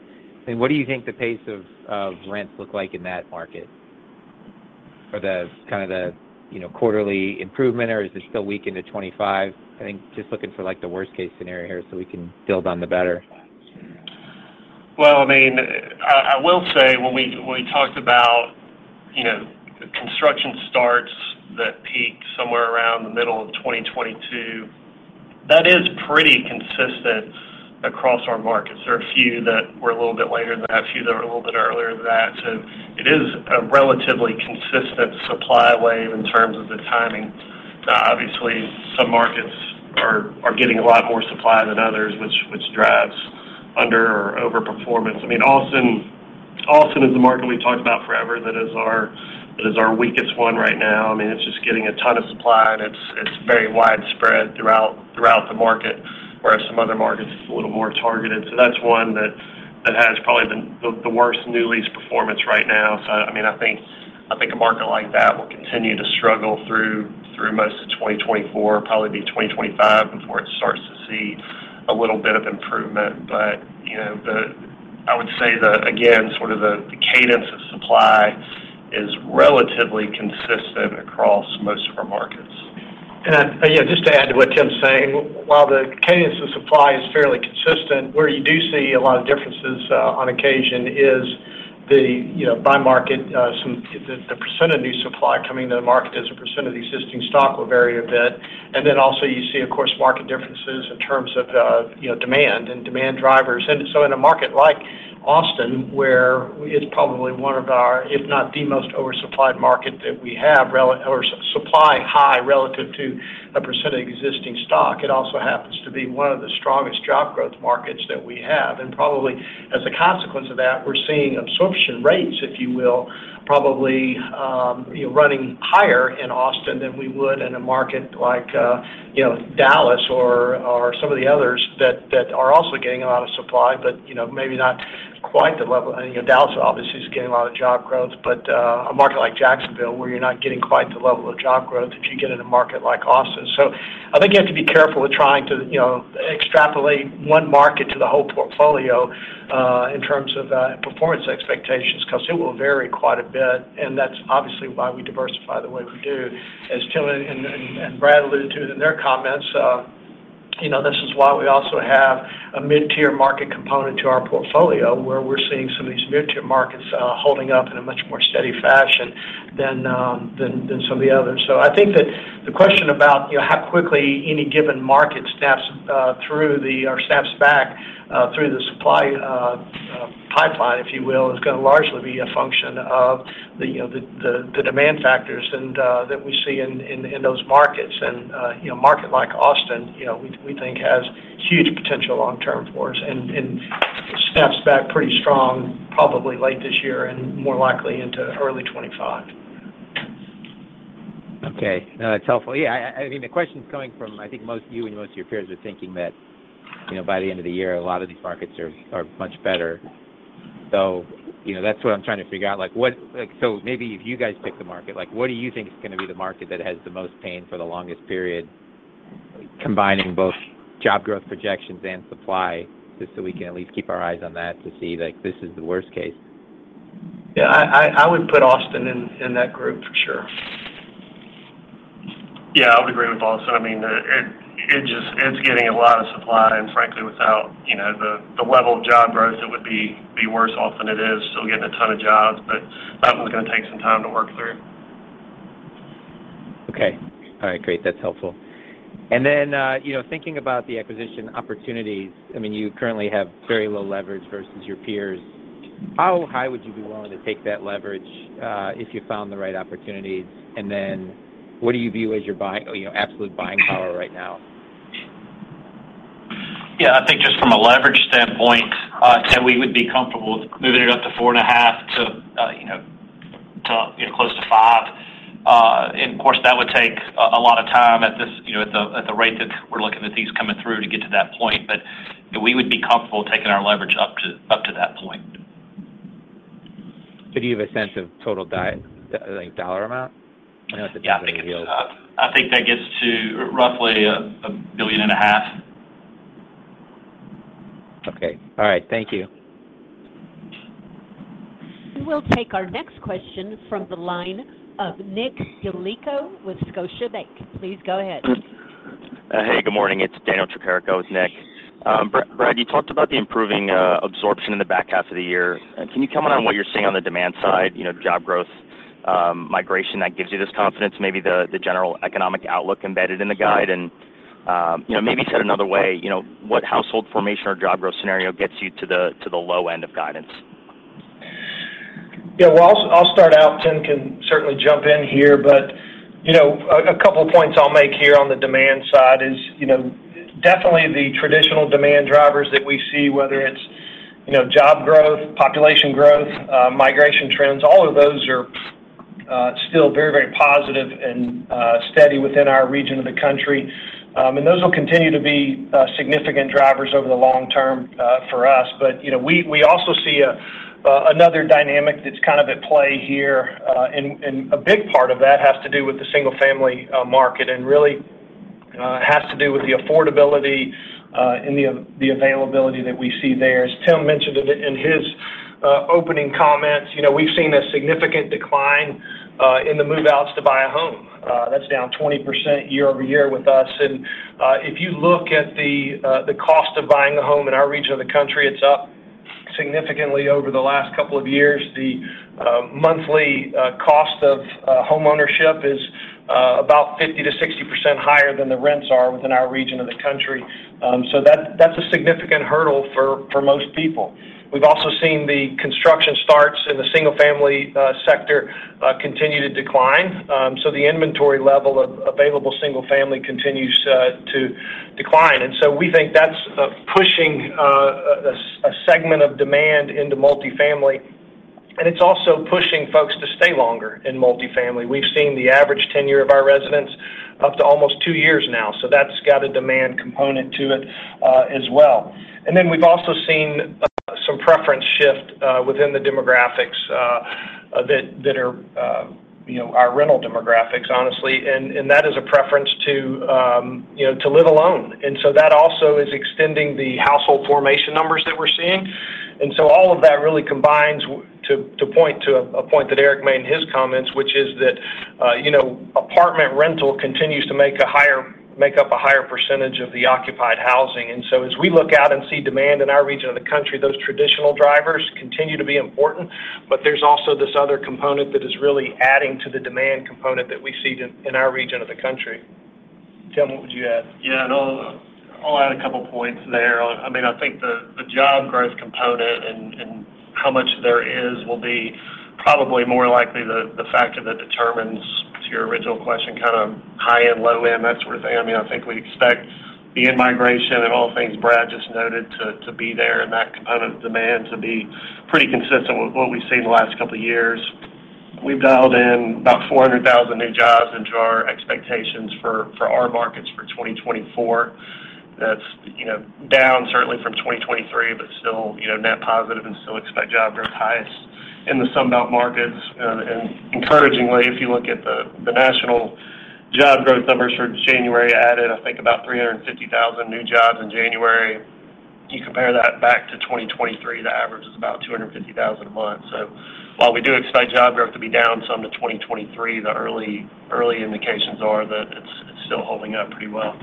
and what do you think the pace of rents look like in that market for the kind of the, you know, quarterly improvement, or is it still weak into 2025? I think just looking for, like, the worst-case scenario here so we can build on the better. Well, I mean, I will say when we talked about, you know, construction starts that peaked somewhere around the middle of 2022, that is pretty consistent across our markets. There are a few that were a little bit later than that, a few that were a little bit earlier than that. So it is a relatively consistent supply wave in terms of the timing. Now, obviously, some markets are getting a lot more supply than others, which drives under or overperformance. I mean, Austin is the market we talked about forever. That is our weakest one right now. I mean, it's just getting a ton of supply, and it's very widespread throughout the market, whereas some other markets, it's a little more targeted. So that's one that has probably been the worst new lease performance right now. So, I mean, I think a market like that will continue to struggle through most of 2024, probably be 2025, before it starts to see a little bit of improvement. But, you know, the... I would say that, again, sort of the cadence of supply is relatively consistent across most of our markets. And, yeah, just to add to what Tim's saying, while the cadence of supply is fairly consistent, where you do see a lot of differences on occasion is the, you know, by market, the percent of new supply coming to the market as a percent of the existing stock will vary a bit. And then also you see, of course, market differences in terms of, you know, demand and demand drivers. And so in a market like Austin, where it's probably one of our, if not the most oversupplied market that we have, or supply high relative to a percent of existing stock, it also happens to be one of the strongest job growth markets that we have. And probably, as a consequence of that, we're seeing absorption rates, if you will, probably, you know, running higher in Austin than we would in a market like, you know, Dallas or some of the others that are also getting a lot of supply, but, you know, maybe not quite the level. I mean, you know, Dallas obviously is getting a lot of job growth, but a market like Jacksonville, where you're not getting quite the level of job growth as you get in a market like Austin. So I think you have to be careful with trying to, you know, extrapolate one market to the whole portfolio, in terms of performance expectations, because it will vary quite a bit, and that's obviously why we diversify the way we do. As Tim and Brad alluded to in their comments. You know, this is why we also have a mid-tier market component to our portfolio, where we're seeing some of these mid-tier markets holding up in a much more steady fashion than than some of the others. So I think that the question about, you know, how quickly any given market snaps through the, or snaps back through the supply pipeline, if you will, is gonna largely be a function of the, you know, the demand factors and that we see in those markets. And you know, a market like Austin, you know, we think has huge potential long term for us and snaps back pretty strong, probably late this year and more likely into early 2025. Okay, no, that's helpful. Yeah, I mean, the question is coming from, I think most of you and most of your peers are thinking that, you know, by the end of the year, a lot of these markets are much better. So, you know, that's what I'm trying to figure out. Like, what, like, so maybe if you guys pick the market, like, what do you think is gonna be the market that has the most pain for the longest period, combining both job growth projections and supply, just so we can at least keep our eyes on that to see, like, this is the worst case? Yeah, I would put Austin in that group for sure. Yeah, I would agree with Austin. I mean, it just, it's getting a lot of supply, and frankly, without, you know, the level of job growth, it would be worse off than it is. Still getting a ton of jobs, but that one's gonna take some time to work through. Okay. All right, great. That's helpful. And then, you know, thinking about the acquisition opportunities, I mean, you currently have very low leverage versus your peers. How high would you be willing to take that leverage, if you found the right opportunities? And then what do you view as your buying, or your absolute buying power right now? Yeah, I think just from a leverage standpoint, Tim, we would be comfortable with moving it up to 4.5 to, you know, to, you know, close to five. And of course, that would take a lot of time at this, you know, at the rate that we're looking at these coming through to get to that point, but we would be comfortable taking our leverage up to, up to that point. So do you have a sense of total—like, dollar amount? I know it's a- Yeah. I think that gets to roughly $1.5 billion. Okay. All right. Thank you. We'll take our next question from the line of Nick Yulico with Scotiabank. Please go ahead. Hey, good morning. It's Daniel Tricarico with Nick. Brad, you talked about the improving absorption in the back half of the year. Can you comment on what you're seeing on the demand side, you know, job growth, migration, that gives you this confidence, maybe the general economic outlook embedded in the guide? And, you know, maybe said another way, you know, what household formation or job growth scenario gets you to the low end of guidance? Yeah, well, I'll start out. Tim can certainly jump in here, but, you know, a couple of points I'll make here on the demand side is, you know, definitely the traditional demand drivers that we see, whether it's, you know, job growth, population growth, migration trends, all of those are still very, very positive and steady within our region of the country. And those will continue to be significant drivers over the long term for us. But, you know, we also see another dynamic that's kind of at play here, and a big part of that has to do with the single-family market, and really has to do with the affordability and the availability that we see there. As Tim mentioned in his opening comments, you know, we've seen a significant decline in the move-outs to buy a home. That's down 20% year-over-year with us. If you look at the cost of buying a home in our region of the country, it's up significantly over the last couple of years. The monthly cost of homeownership is about 50%-60% higher than the rents are within our region of the country. So that's a significant hurdle for most people. We've also seen the construction starts in the single-family sector continue to decline. The inventory level of available single-family continues to decline. And so we think that's pushing a segment of demand into multifamily, and it's also pushing folks to stay longer in multifamily. We've seen the average tenure of our residents up to almost two years now, so that's got a demand component to it, as well. And then we've also seen some preference shift within the demographics that are, you know, our rental demographics, honestly, and that is a preference to, you know, to live alone. And so that also is extending the household formation numbers that we're seeing. And so all of that really combines to point to a point that Eric made in his comments, which is that, you know, apartment rental continues to make up a higher percentage of the occupied housing. So as we look out and see demand in our region of the country, those traditional drivers continue to be important, but there's also this other component that is really adding to the demand component that we see in our region of the country. Tim, what would you add? Yeah, and I'll add a couple points there. I mean, I think the job growth component and how much there is will be probably more likely the factor that determines, to your original question, kind of high and low end, that sort of thing. I mean, I think we expect the in-migration and all things Brad just noted to be there and that component of demand to be pretty consistent with what we've seen in the last couple of years. We've dialed in about 400,000 new jobs into our expectations for our markets for 2024. That's, you know, down certainly from 2023, but still, you know, net positive and still expect job growth highest in the Sun Belt markets. Encouragingly, if you look at the national job growth numbers for January, added, I think, about 350,000 new jobs in January. You compare that back to 2023, the average is about 250,000 a month. So while we do expect job growth to be down some to 2023, the early indications are that it's still holding up pretty well.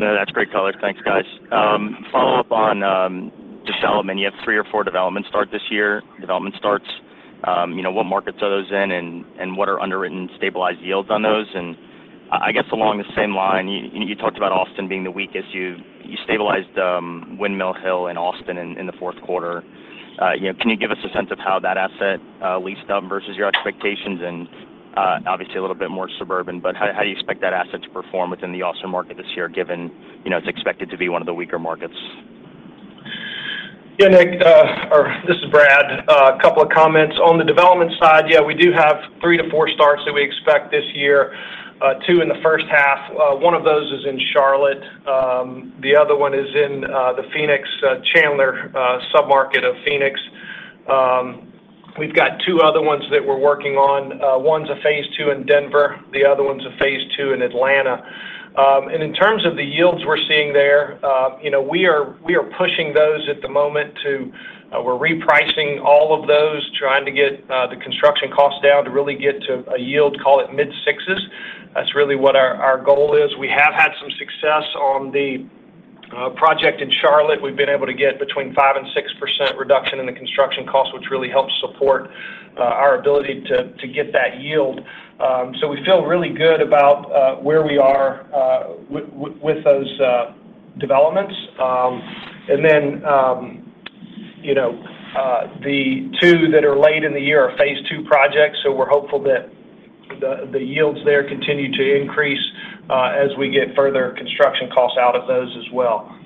No, that's great color. Thanks, guys. Follow up on development. You have three or four developments start this year, development starts. You know, what markets are those in? And what are underwritten stabilized yields on those? And I guess along the same line, you talked about Austin being the weakest. You stabilized Windmill Hill in Austin in the fourth quarter. You know, can you give us a sense of how that asset leased up versus your expectations? And obviously, a little bit more suburban, but how do you expect that asset to perform within the Austin market this year, given you know, it's expected to be one of the weaker markets? Yeah, Nick, or this is Brad. A couple of comments. On the development side, yeah, we do have three to four starts that we expect this year, two in the first half. One of those is in Charlotte. The other one is in the Phoenix, Chandler submarket of Phoenix. We've got two other ones that we're working on. One's a phase II in Denver, the other one's a phase II in Atlanta. And in terms of the yields we're seeing there, you know, we are pushing those at the moment to... We're repricing all of those, trying to get the construction costs down to really get to a yield, call it mid-sixes. That's really what our goal is. We have had some success on the project in Charlotte. We've been able to get between 5% and 6% reduction in the construction cost, which really helps support our ability to get that yield. So we feel really good about where we are with those developments. And then, you know, the two that are late in the year are phase two projects, so we're hopeful that the yields there continue to increase as we get further construction costs out of those as well.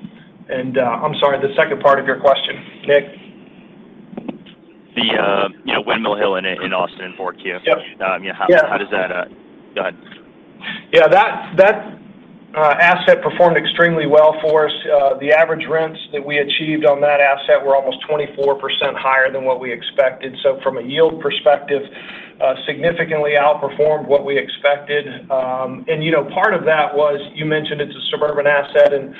And, I'm sorry, the second part of your question, Nick? The, you know, Windmill Hill in Austin in fourth Q. Yep. Yeah, how- Yeah. How does that... Go ahead. Yeah, that asset performed extremely well for us. The average rents that we achieved on that asset were almost 24% higher than what we expected. So from a yield perspective, significantly outperformed what we expected. And, you know, part of that was, you mentioned it's a suburban asset in,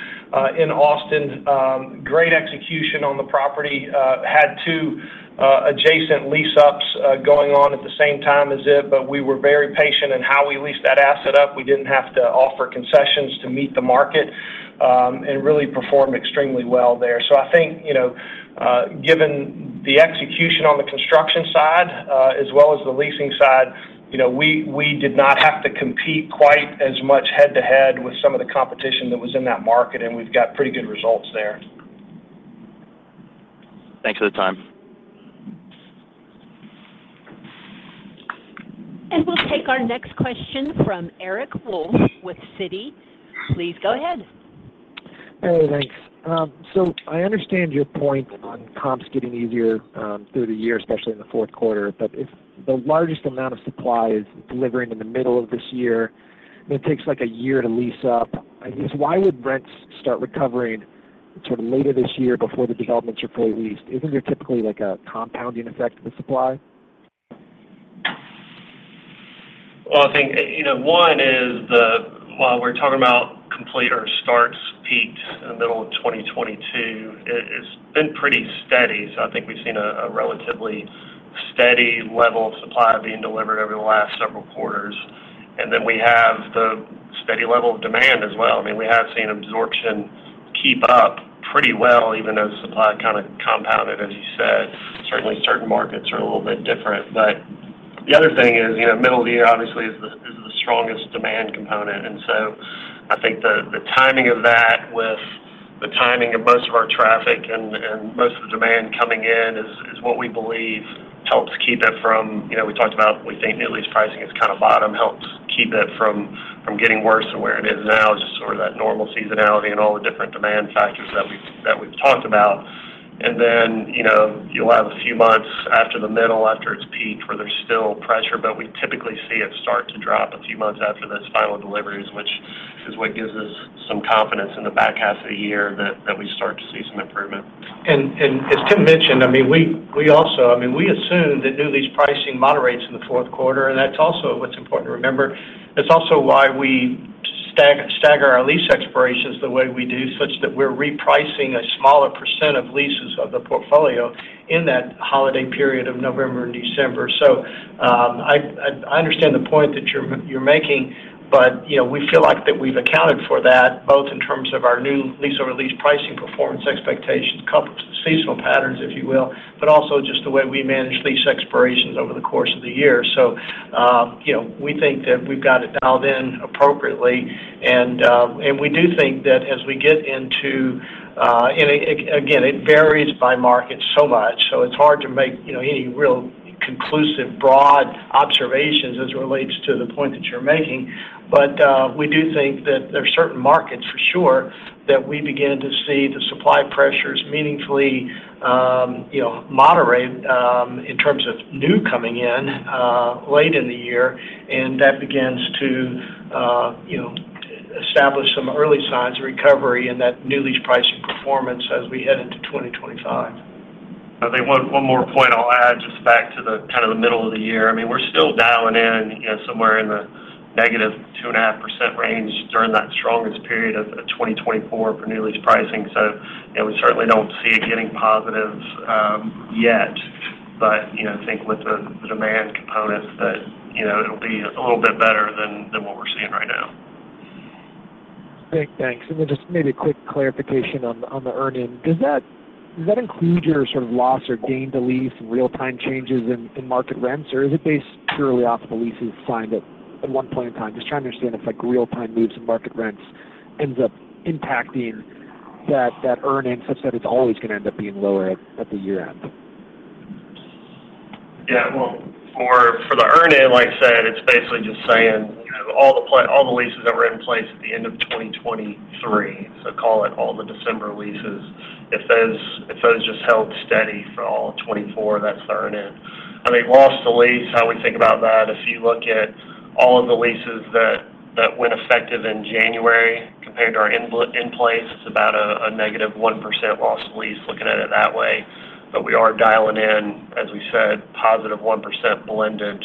in Austin. Great execution on the property. Had two adjacent lease-ups going on at the same time as it, but we were very patient in how we leased that asset up. We didn't have to offer concessions to meet the market, and really performed extremely well there. So I think, you know, given the execution on the construction side, as well as the leasing side, you know, we did not have to compete quite as much head-to-head with some of the competition that was in that market, and we've got pretty good results there. Thanks for the time. We'll take our next question from Eric Wolfe with Citi. Please go ahead. Hey, thanks. So I understand your point on comps getting easier through the year, especially in the fourth quarter, but if the largest amount of supply is delivering in the middle of this year, and it takes, like, a year to lease up, I guess, why would rents start recovering sort of later this year before the developments are fully leased? Isn't there typically, like, a compounding effect to the supply? Well, I think, you know, one is the... While we're talking about completions or starts peaked in the middle of 2022, it has been pretty steady. So I think we've seen a relatively steady level of supply being delivered over the last several quarters, and then we have the steady level of demand as well. I mean, we have seen absorption keep up pretty well, even though supply kind of compounded, as you said. Certainly, certain markets are a little bit different. But the other thing is, you know, middle of the year, obviously, is the strongest demand component. And so I think the timing of that with the timing of most of our traffic and most of the demand coming in is what we believe helps keep it from... You know, we talked about, we think new lease pricing is kind of bottom, helps keep it from getting worse than where it is now, just sort of that normal seasonality and all the different demand factors that we've talked about. And then, you know, you'll have a few months after the middle, after its peak, where there's still pressure, but we typically see it start to drop a few months after those final deliveries, which is what gives us some confidence in the back half of the year that we start to see some improvement. And as Tim mentioned, I mean, we also—I mean, we assume that new lease pricing moderates in the fourth quarter, and that's also what's important to remember. That's also why we stagger our lease expirations the way we do, such that we're repricing a smaller percent of leases of the portfolio in that holiday period of November and December. So, I understand the point that you're making, but you know, we feel like we've accounted for that, both in terms of our new lease or lease pricing performance expectations, comparable seasonal patterns, if you will, but also just the way we manage lease expirations over the course of the year. So, you know, we think that we've got it dialed in appropriately, and we do think that as we get into... Again, it varies by market so much, so it's hard to make, you know, any real conclusive, broad observations as it relates to the point that you're making. But, we do think that there are certain markets for sure, that we begin to see the supply pressures meaningfully, you know, moderate, in terms of new coming in, late in the year, and that begins to, you know, establish some early signs of recovery in that new lease pricing performance as we head into 2025. But I think one more point I'll add, just back to the kind of the middle of the year. I mean, we're still dialing in, you know, somewhere in the -2.5% range during that strongest period of 2024 for new lease pricing. So, you know, we certainly don't see it getting positive yet. But, you know, I think with the demand components that, you know, it'll be a little bit better than what we're seeing right now. Great. Thanks. And then just maybe a quick clarification on the earn-in. Does that include your sort of loss or gain to lease real-time changes in market rents? Or is it based purely off the leases signed at one point in time? Just trying to understand if, like, real-time moves in market rents ends up impacting that earn-in, such that it's always going to end up being lower at the year-end. Yeah. Well, for the earn-in, like I said, it's basically just saying, you know, all the leases that were in place at the end of 2023, so call it all the December leases, if those just held steady for all of 2024, that's the earn-in. I mean, loss to lease, how we think about that, if you look at all of the leases that went effective in January compared to our in-place, it's about a negative 1% loss to lease, looking at it that way. But we are dialing in, as we said, +1% blended,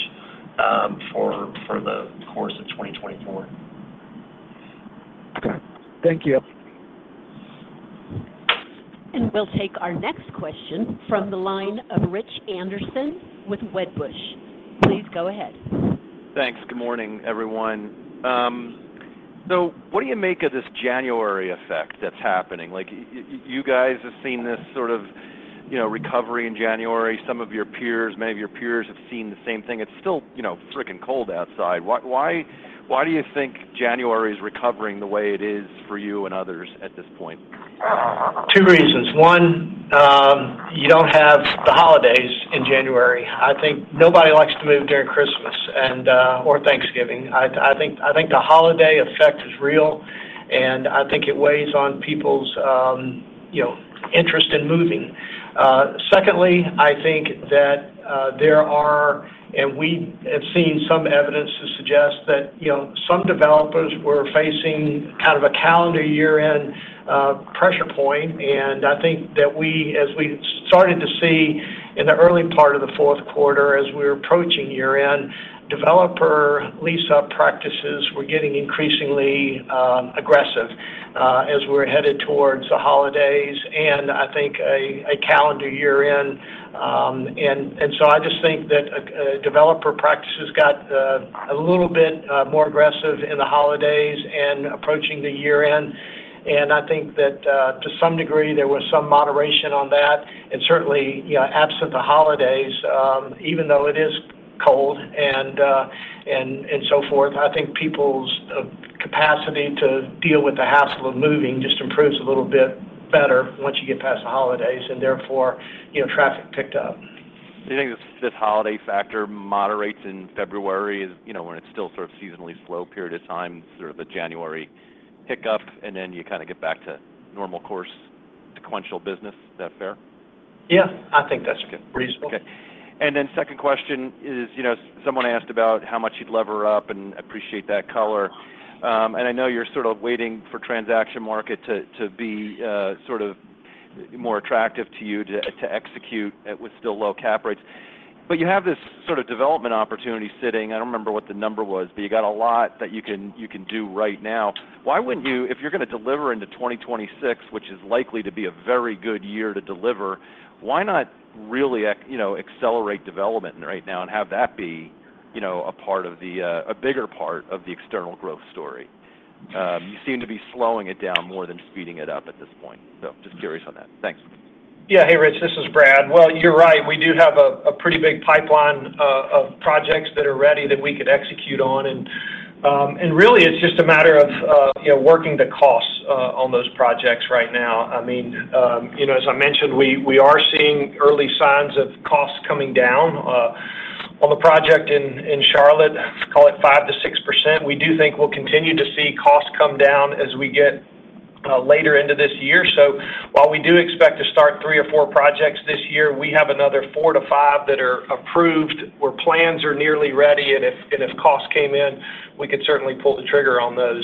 for the course of 2024. Okay. Thank you. We'll take our next question from the line of Rich Anderson with Wedbush. Please go ahead. Thanks. Good morning, everyone. So what do you make of this January effect that's happening? Like, you guys have seen this sort of, you know, recovery in January. Some of your peers, many of your peers have seen the same thing. It's still, you know, freaking cold outside. Why, why, why do you think January is recovering the way it is for you and others at this point? Two reasons. One, you don't have the holidays in January. I think nobody likes to move during Christmas and, or Thanksgiving. I think the holiday effect is real, and I think it weighs on people's, you know, interest in moving. Secondly, I think that there are - and we have seen some evidence to suggest that, you know, some developers were facing kind of a calendar year-end pressure point. And I think that we - as we started to see in the early part of the fourth quarter, as we were approaching year-end, developer lease-up practices were getting increasingly aggressive, as we're headed towards the holidays and I think a calendar year-end. And so I just think that developer practices got a little bit more aggressive in the holidays and approaching the year-end. I think that, to some degree, there was some moderation on that. Certainly, you know, absent the holidays, even though it is cold and so forth, I think people's capacity to deal with the hassle of moving just improves a little bit better once you get past the holidays, and therefore, you know, traffic picked up. Do you think this holiday factor moderates in February, you know, when it's still sort of seasonally slow period of time, sort of the January pickup, and then you kind of get back to normal course sequential business? Is that fair? Yeah, I think that's reasonable. Okay. And then second question is, you know, someone asked about how much you'd lever up and appreciate that color. And I know you're sort of waiting for transaction market to be sort of more attractive to you to execute at with still low cap rates. But you have this sort of development opportunity sitting. I don't remember what the number was, but you got a lot that you can do right now. Why wouldn't you if you're going to deliver into 2026, which is likely to be a very good year to deliver, why not really you know, accelerate development right now and have that be, you know, a part of the a bigger part of the external growth story? You seem to be slowing it down more than speeding it up at this point. Just curious on that. Thanks. Yeah. Hey, Rich, this is Brad. Well, you're right. We do have a pretty big pipeline of projects that are ready that we could execute on. And, and really, it's just a matter of, you know, working the costs on those projects right now. I mean, you know, as I mentioned, we are seeing early signs of costs coming down on the project in Charlotte, call it 5%-6%. We do think we'll continue to see costs come down as we get later into this year. So while we do expect to start three or four projects this year, we have another four to five that are approved, where plans are nearly ready, and if costs came in, we could certainly pull the trigger on those.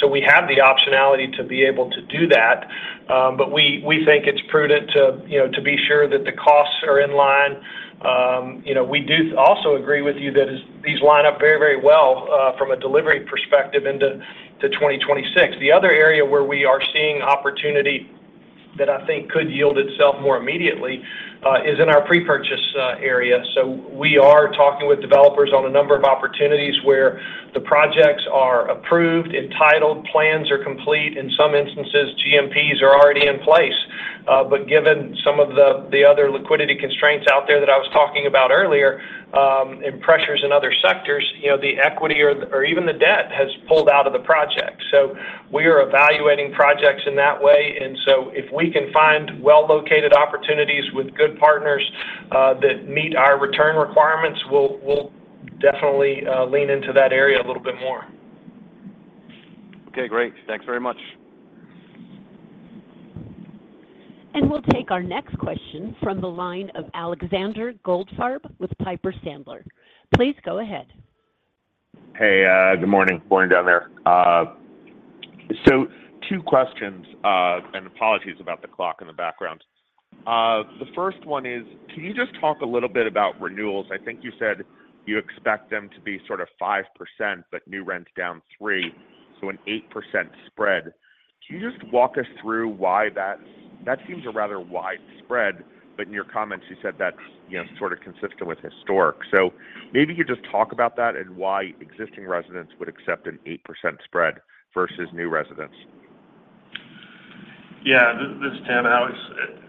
So we have the optionality to be able to do that, but we think it's prudent to, you know, to be sure that the costs are in line. You know, we do also agree with you that these line up very, very well from a delivery perspective into 2026. The other area where we are seeing opportunity that I think could yield itself more immediately is in our pre-purchase area. So we are talking with developers on a number of opportunities where the projects are approved, entitled, plans are complete. In some instances, GMPs are already in place. But given some of the other liquidity constraints out there that I was talking about earlier, and pressures in other sectors, you know, the equity or even the debt has pulled out of the project. We are evaluating projects in that way, and if we can find well-located opportunities with good partners that meet our return requirements, we'll definitely lean into that area a little bit more. Okay, great. Thanks very much. And we'll take our next question from the line of Alexander Goldfarb with Piper Sandler. Please go ahead. Hey, good morning. Morning down there. So two questions, and apologies about the clock in the background. The first one is, can you just talk a little bit about renewals? I think you said you expect them to be sort of 5%, but new rent's down 3%, so an 8% spread. Can you just walk us through why that - That seems a rather wide spread, but in your comments, you said that's, you know, sort of consistent with historic. So maybe you just talk about that and why existing residents would accept an 8% spread versus new residents. Yeah, this is Tim Argo.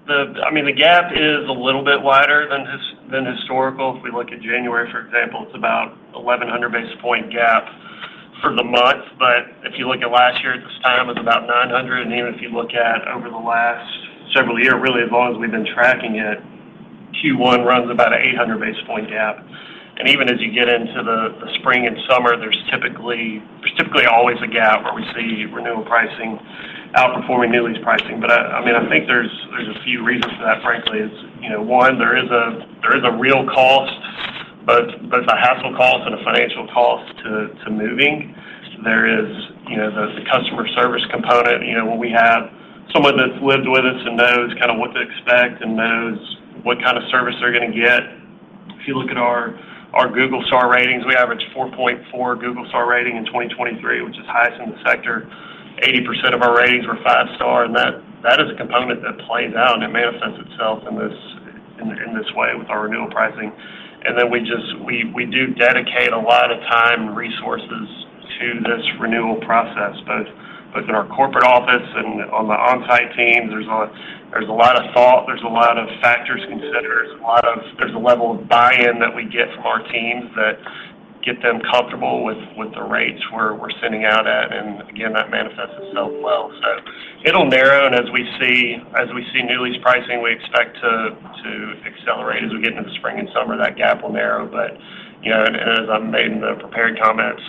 The... I mean, the gap is a little bit wider than historical. If we look at January, for example, it's about 1,100 basis point gap for the month. But if you look at last year at this time, it was about 900. And even if you look at over the last several year, really, as long as we've been tracking it, Q1 runs about an 800 basis point gap. And even as you get into the spring and summer, there's typically always a gap where we see renewal pricing outperforming new lease pricing. But I mean, I think there's a few reasons for that, frankly. It's, you know, one, there is a real cost, both a hassle cost and a financial cost to moving. There is, you know, there's a customer service component. You know, when we have someone that's lived with us and knows kind of what to expect and knows what kind of service they're gonna get. If you look at our Google star ratings, we average 4.4 Google star rating in 2023, which is highest in the sector. 80% of our ratings were five-star, and that is a component that plays out, and it manifests itself in this way with our renewal pricing. And then we just, we do dedicate a lot of time and resources to this renewal process, both in our corporate office and on the on-site teams. There's a lot of thought, there's a lot of factors considered. There's a lot of... There's a level of buy-in that we get from our teams that get them comfortable with the rates we're sending out at. And again, that manifests itself well. So it'll narrow, and as we see new lease pricing, we expect to accelerate. As we get into the spring and summer, that gap will narrow. But you know, and as I made in the prepared comments,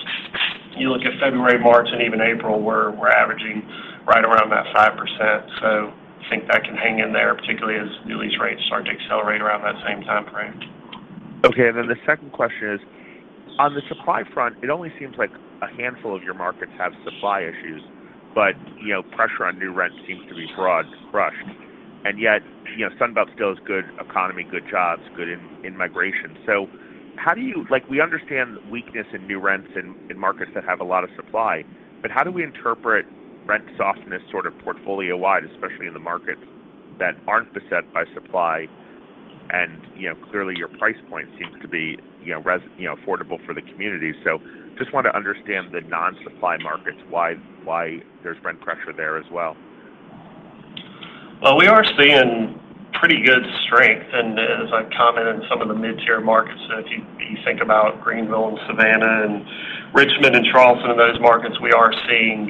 you look at February, March, and even April, we're averaging right around that 5%. So I think that can hang in there, particularly as new lease rates start to accelerate around that same time frame. Okay. And then the second question is, on the supply front, it only seems like a handful of your markets have supply issues, but, you know, pressure on new rent seems to be broad, crushed. And yet, you know, Sun Belt still has good economy, good jobs, good in-migration. So how do you-- Like, we understand weakness in new rents in markets that have a lot of supply, but how do we interpret rent softness sort of portfolio-wide, especially in the markets that aren't beset by supply? And, you know, clearly, your price point seems to be, you know, res, you know, affordable for the community. So just want to understand the non-supply markets, why there's rent pressure there as well. Well, we are seeing pretty good strength, and as I've commented on some of the mid-tier markets, if you think about Greenville and Savannah and Richmond and Charleston, in those markets, we are seeing,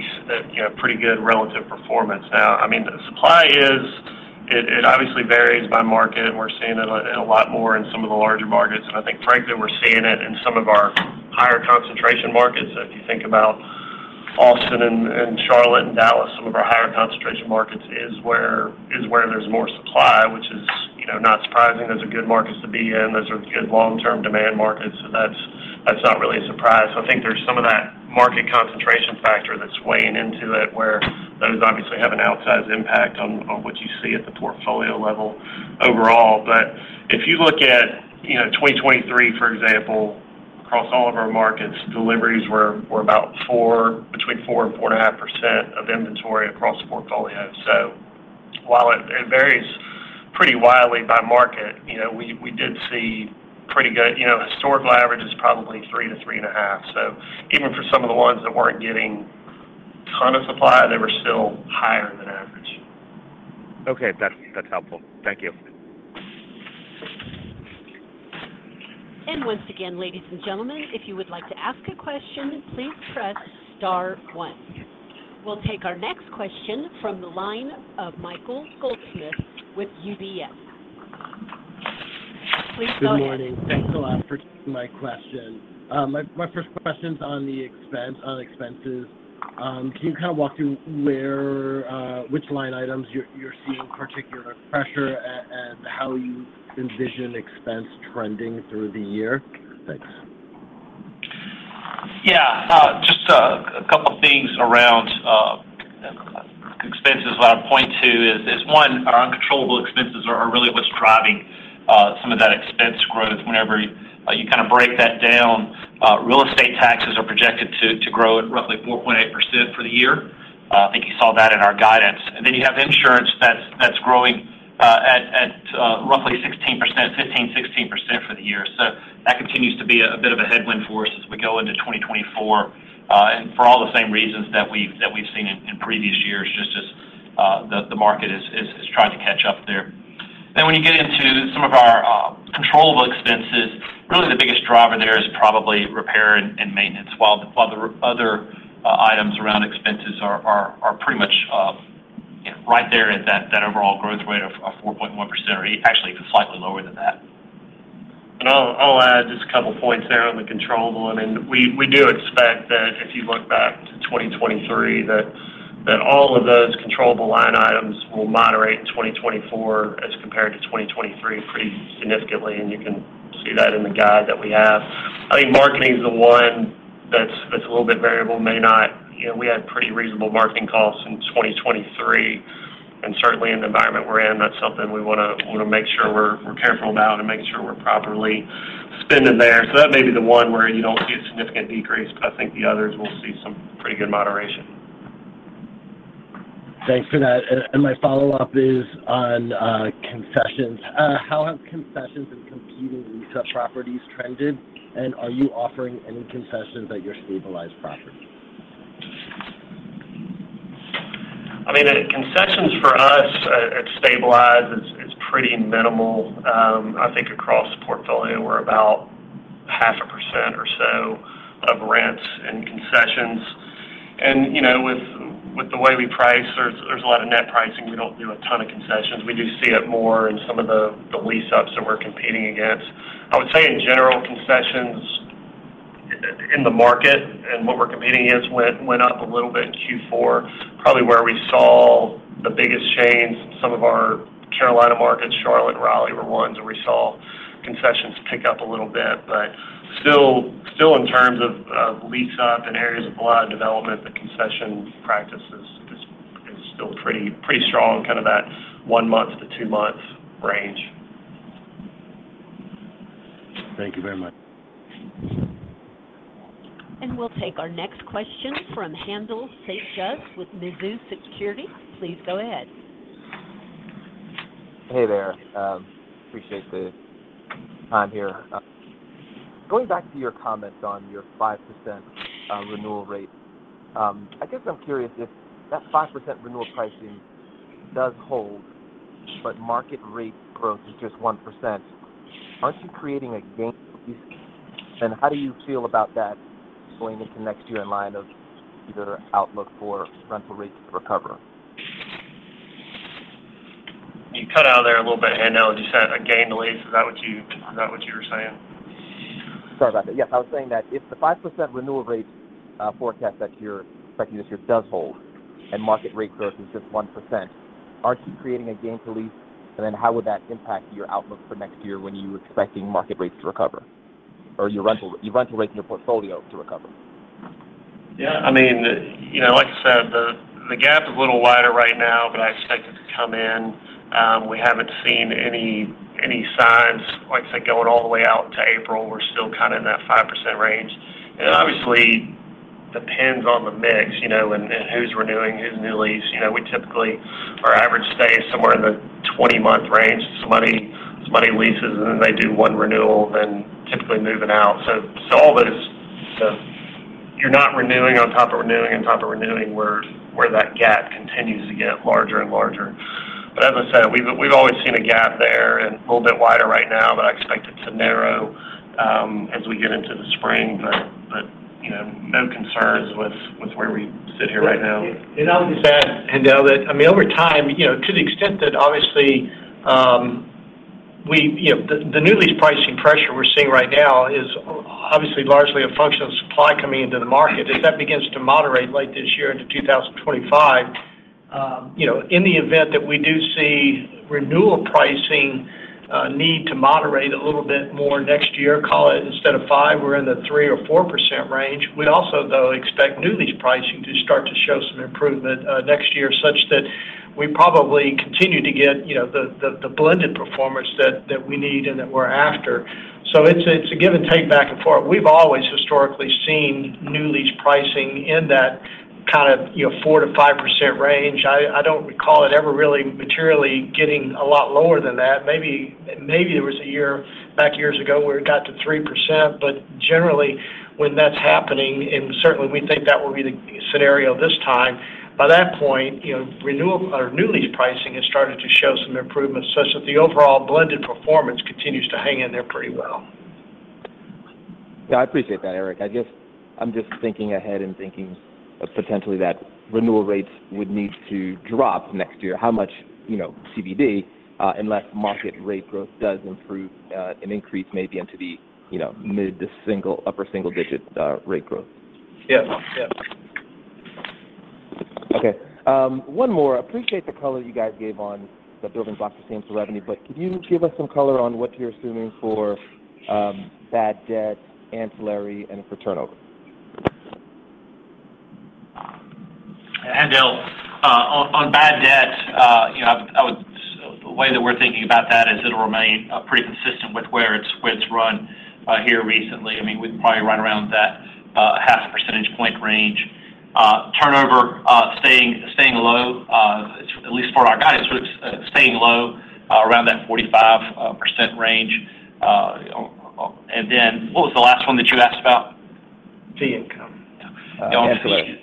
you know, pretty good relative performance. Now, I mean, the supply is... It obviously varies by market, and we're seeing it a lot more in some of the larger markets. And I think frankly, we're seeing it in some of our higher concentration markets. If you think about Austin and Charlotte and Dallas, some of our higher concentration markets, is where there's more supply, which is, you know, not surprising. Those are good markets to be in. Those are good long-term demand markets, so that's not really a surprise. So I think there's some of that market concentration factor that's weighing into it, where those obviously have an outsized impact on, on what you see at the portfolio level overall. But if you look at, you know, 2023, for example, across all of our markets, deliveries were about 4%-4.5% of inventory across the portfolio. So while it varies pretty wildly by market, you know, we did see pretty good. You know, historical average is probably 3-3.5. So even for some of the ones that weren't getting ton of supply, they were still higher than average. Okay. That's, that's helpful. Thank you. Once again, ladies and gentlemen, if you would like to ask a question, please press star one. We'll take our next question from the line of Michael Goldsmith with UBS. Please go ahead. Good morning. Thanks a lot for taking my question. My first question's on the expense, on expenses. Can you kind of walk through where, which line items you're seeing particular pressure and how you envision expense trending through the year? Thanks. Yeah, just a couple things around expenses. What I'd point to is one, our uncontrollable expenses are really what's driving some of that expense growth. Whenever you kind of break that down, real estate taxes are projected to grow at roughly 4.8% for the year. I think you saw that in our guidance. And then you have insurance that's growing at roughly 16%, 15%, 16% for the year. So that continues to be a bit of a headwind for us as we go into 2024 and for all the same reasons that we've seen in previous years, just as the market is trying to catch up there. Then when you get into some of our controllable expenses, really the biggest driver there is probably repair and maintenance, while the other items around expenses are pretty much, you know, right there at that overall growth rate of 4.1%, or actually slightly lower than that. And I'll add just a couple points there on the controllable. I mean, we do expect that if you look back to 2023, that all of those controllable line items will moderate in 2024 as compared to 2023 pretty significantly. And you can see that in the guide that we have. I think marketing is the one that's a little bit variable, may not. You know, we had pretty reasonable marketing costs in 2023, and certainly in the environment we're in, that's something we wanna make sure we're careful about and make sure we're properly spending there. So that may be the one where you don't see a significant decrease, but I think the others will see some pretty good moderation. Thanks for that. My follow-up is on concessions. How have concessions and competing lease-up properties trended, and are you offering any concessions at your stabilized properties? I mean, concessions for us at stabilized is pretty minimal. I think across the portfolio, we're about 0.5% or so of rents and concessions. And, you know, with the way we price, there's a lot of net pricing. We don't do a ton of concessions. We do see it more in some of the lease-ups that we're competing against. I would say in general, concessions in the market and what we're competing against went up a little bit in Q4, probably where we saw the biggest gains. Some of our Carolina markets, Charlotte, Raleigh, were ones where we saw concessions pick up a little bit, but still in terms of lease-up and areas of a lot of development, the concession practices is still pretty strong, kind of that one month to two month range. Thank you very much. We'll take our next question from Haendel St. Juste with Mizuho Securities. Please go ahead. Hey there. Appreciate the time here. Going back to your comments on your 5% renewal rate, I guess I'm curious if that 5% renewal pricing does hold, but market rate growth is just 1%, aren't you creating a gain to lease? And how do you feel about that going into next year in line of either outlook for rental rates to recover? You cut out there a little bit, Haendel. You said a gain to lease. Is that what you, is that what you were saying? Sorry about that. Yes, I was saying that if the 5% renewal rate forecast that you're expecting this year does hold, and market rate growth is just 1%, aren't you creating a gain to lease? And then how would that impact your outlook for next year when you're expecting market rates to recover or your rental, your rental rates in your portfolio to recover? Yeah, I mean, you know, like I said, the gap is a little wider right now, but I expect it to come in. We haven't seen any signs. Like I said, going all the way out to April, we're still kind of in that 5% range. And obviously, depends on the mix, you know, and who's renewing, who's new lease. You know, we typically, our average stay is somewhere in the 20-month range. Some money, some money leases, and then they do one renewal, then typically moving out. So all that is... You're not renewing on top of renewing on top of renewing, where that gap continues to get larger and larger. But as I said, we've always seen a gap there and a little bit wider right now, but I expect it to narrow as we get into the spring. But you know, no concerns with where we sit here right now. And I'll just add, Haendel, that, I mean, over time, you know, to the extent that obviously, we, you know, the, the new lease pricing pressure we're seeing right now is obviously largely a function of supply coming into the market. As that begins to moderate late this year into 2025, you know, in the event that we do see renewal pricing need to moderate a little bit more next year, call it instead of 5%, we're in the 3%-4% range. We also, though, expect new lease pricing to start to show some improvement next year, such that we probably continue to get, you know, the, the, the blended performance that, that we need and that we're after. So it's, it's a give and take back and forth. We've always historically seen new lease pricing in that kind of, you know, 4%-5% range. I, I don't recall it ever really materially getting a lot lower than that. Maybe, maybe there was a year, back years ago, where it got to 3%, but generally, when that's happening, and certainly we think that will be the scenario this time, by that point, you know, renewal or new lease pricing has started to show some improvement such that the overall blended performance continues to hang in there pretty well. Yeah, I appreciate that, Eric. I guess I'm just thinking ahead and thinking potentially that renewal rates would need to drop next year. How much, you know, CBD, unless market rate growth does improve, and increase maybe into the, you know, mid- to upper-single-digit rate growth. Yeah. Yeah. Okay, one more. I appreciate the color you guys gave on the building blocks of same store revenue, but could you give us some color on what you're assuming for bad debt, ancillary, and for turnover? Haendel, on bad debt, you know, I would. The way that we're thinking about that is it'll remain pretty consistent with where it's run here recently. I mean, we'd probably run around that half a percentage point range. Turnover staying low, at least for our guidance, we're staying low around that 45% range. And then, what was the last one that you asked about? The income. Ancillary.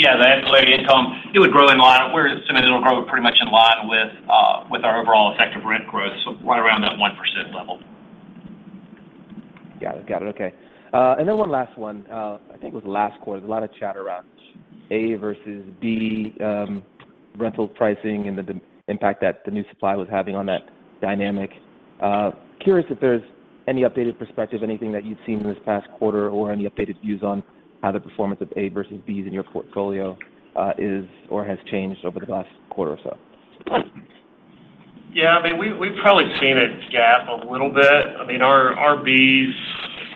Yeah, the ancillary income, it would grow in line. We're assuming it'll grow pretty much in line with, with our overall effective rent growth, so right around that 1% level. Got it. Got it. Okay. And then one last one. I think it was last quarter, there was a lot of chat around A versus B rental pricing and the impact that the new supply was having on that dynamic. Curious if there's any updated perspective, anything that you've seen in this past quarter or any updated views on how the performance of A versus Bs in your portfolio is or has changed over the last quarter or so? .Yeah, I mean, we've, we've probably seen it gap a little bit. I mean, our, our Bs,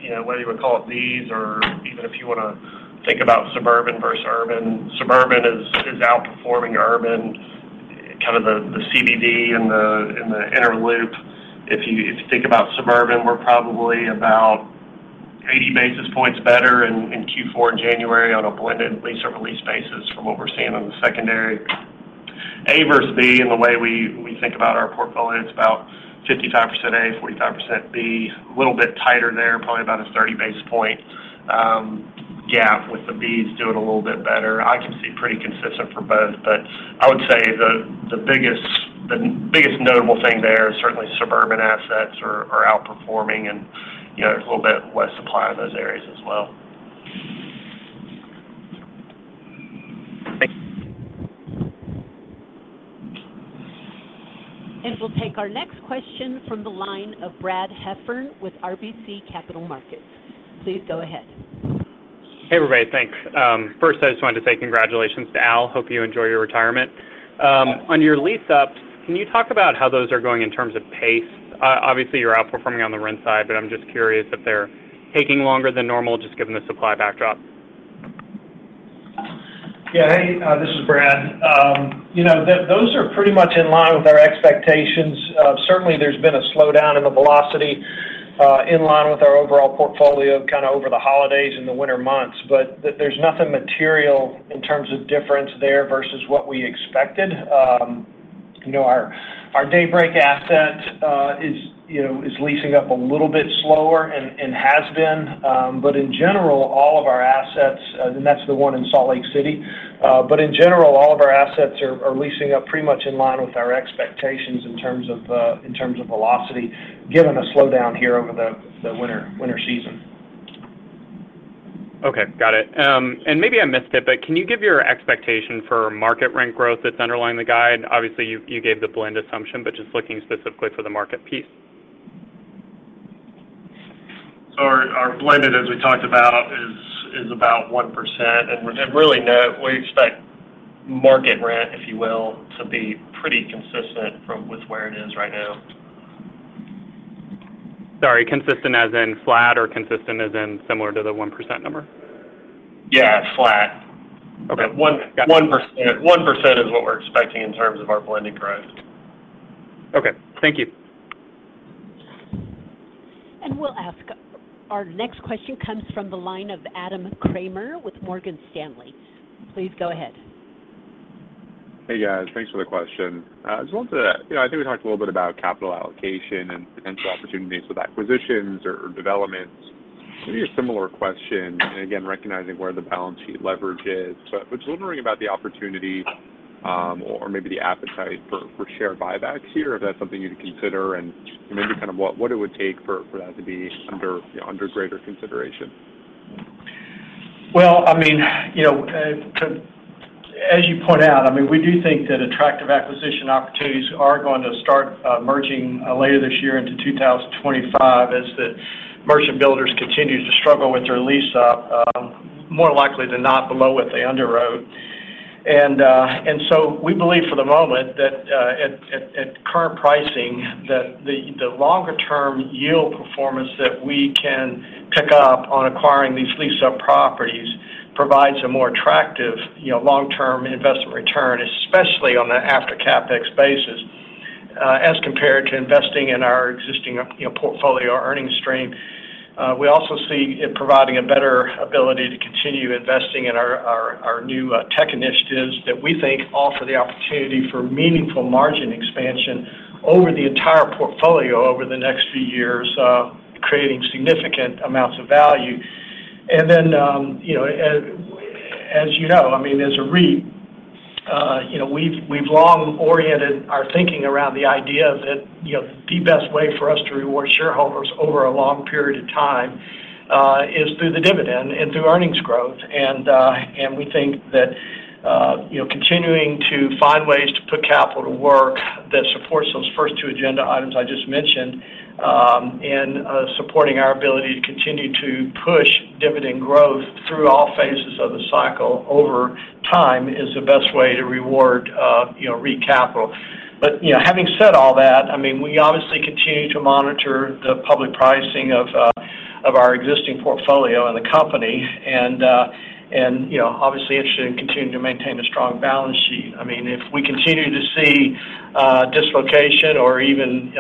you know, whether you would call it Bs or even if you wanna think about suburban versus urban, suburban is, is outperforming urban, kind of the, the CBD and the, and the inner loop. If you, if you think about suburban, we're probably about 80 basis points better in, in Q4 in January on a blended lease or renewal basis from what we're seeing in the secondary A versus B, and the way we, we think about our portfolio, it's about 55% A, 45% B. A little bit tighter there, probably about a 30 basis point gap, with the Bs doing a little bit better. I can see pretty consistent for both, but I would say the biggest notable thing there is certainly suburban assets are outperforming, and you know, there's a little bit less supply in those areas as well. We'll take our next question from the line of Brad Heffern with RBC Capital Markets. Please go ahead. Hey, everybody. Thanks. First, I just wanted to say congratulations to Al. Hope you enjoy your retirement. On your lease-ups, can you talk about how those are going in terms of pace? Obviously, you're outperforming on the rent side, but I'm just curious if they're taking longer than normal, just given the supply backdrop. Yeah. Hey, this is Brad. You know, those are pretty much in line with our expectations. Certainly, there's been a slowdown in the velocity, in line with our overall portfolio, kind of over the holidays and the winter months, but there's nothing material in terms of difference there versus what we expected. You know, our Daybreak asset is, you know, leasing up a little bit slower and has been, but in general, all of our assets, and that's the one in Salt Lake City, but in general, all of our assets are leasing up pretty much in line with our expectations in terms of velocity, given the slowdown here over the winter season. Okay. Got it. And maybe I missed it, but can you give your expectation for market rent growth that's underlying the guide? Obviously, you gave the blend assumption, but just looking specifically for the market piece. So our blended, as we talked about, is about 1%, and really, we expect market rent, if you will, to be pretty consistent from with where it is right now. Sorry, consistent as in flat or consistent as in similar to the 1% number? Yeah, flat. Okay. One- Got it. 1%, 1% is what we're expecting in terms of our blended growth. Okay. Thank you. Our next question comes from the line of Adam Kramer with Morgan Stanley. Please go ahead. Hey, guys. Thanks for the question. I just wanted to... You know, I think we talked a little bit about capital allocation and potential opportunities with acquisitions or developments. Maybe a similar question, and again, recognizing where the balance sheet leverage is, but just wondering about the opportunity or maybe the appetite for share buybacks here. If that's something you'd consider, and maybe kind of what it would take for that to be under greater consideration? Well, I mean, you know, as you point out, I mean, we do think that attractive acquisition opportunities are going to start emerging later this year into 2025, as the merchant builders continue to struggle with their lease-up, more likely than not, below what they underwrote. And so we believe for the moment that at current pricing, the longer term yield performance that we can pick up on acquiring these lease-up properties provides a more attractive, you know, long-term investment return, especially on the after CapEx basis, as compared to investing in our existing, you know, portfolio or earnings stream. We also see it providing a better ability to continue investing in our new tech initiatives that we think offer the opportunity for meaningful margin expansion over the entire portfolio over the next few years, creating significant amounts of value. And then, you know, as you know, I mean, as a REIT, you know, we've long oriented our thinking around the idea that, you know, the best way for us to reward shareholders over a long period of time is through the dividend and through earnings growth. And we think that, you know, continuing to find ways to put capital to work that supports those first two agenda items I just mentioned, and supporting our ability to continue to push dividend growth through all phases of the cycle over time is the best way to reward, you know, REIT capital. But, you know, having said all that, I mean, we obviously continue to monitor the public pricing of our existing portfolio and the company, and, you know, obviously, interested in continuing to maintain a strong balance sheet. I mean, if we continue to see dislocation or even,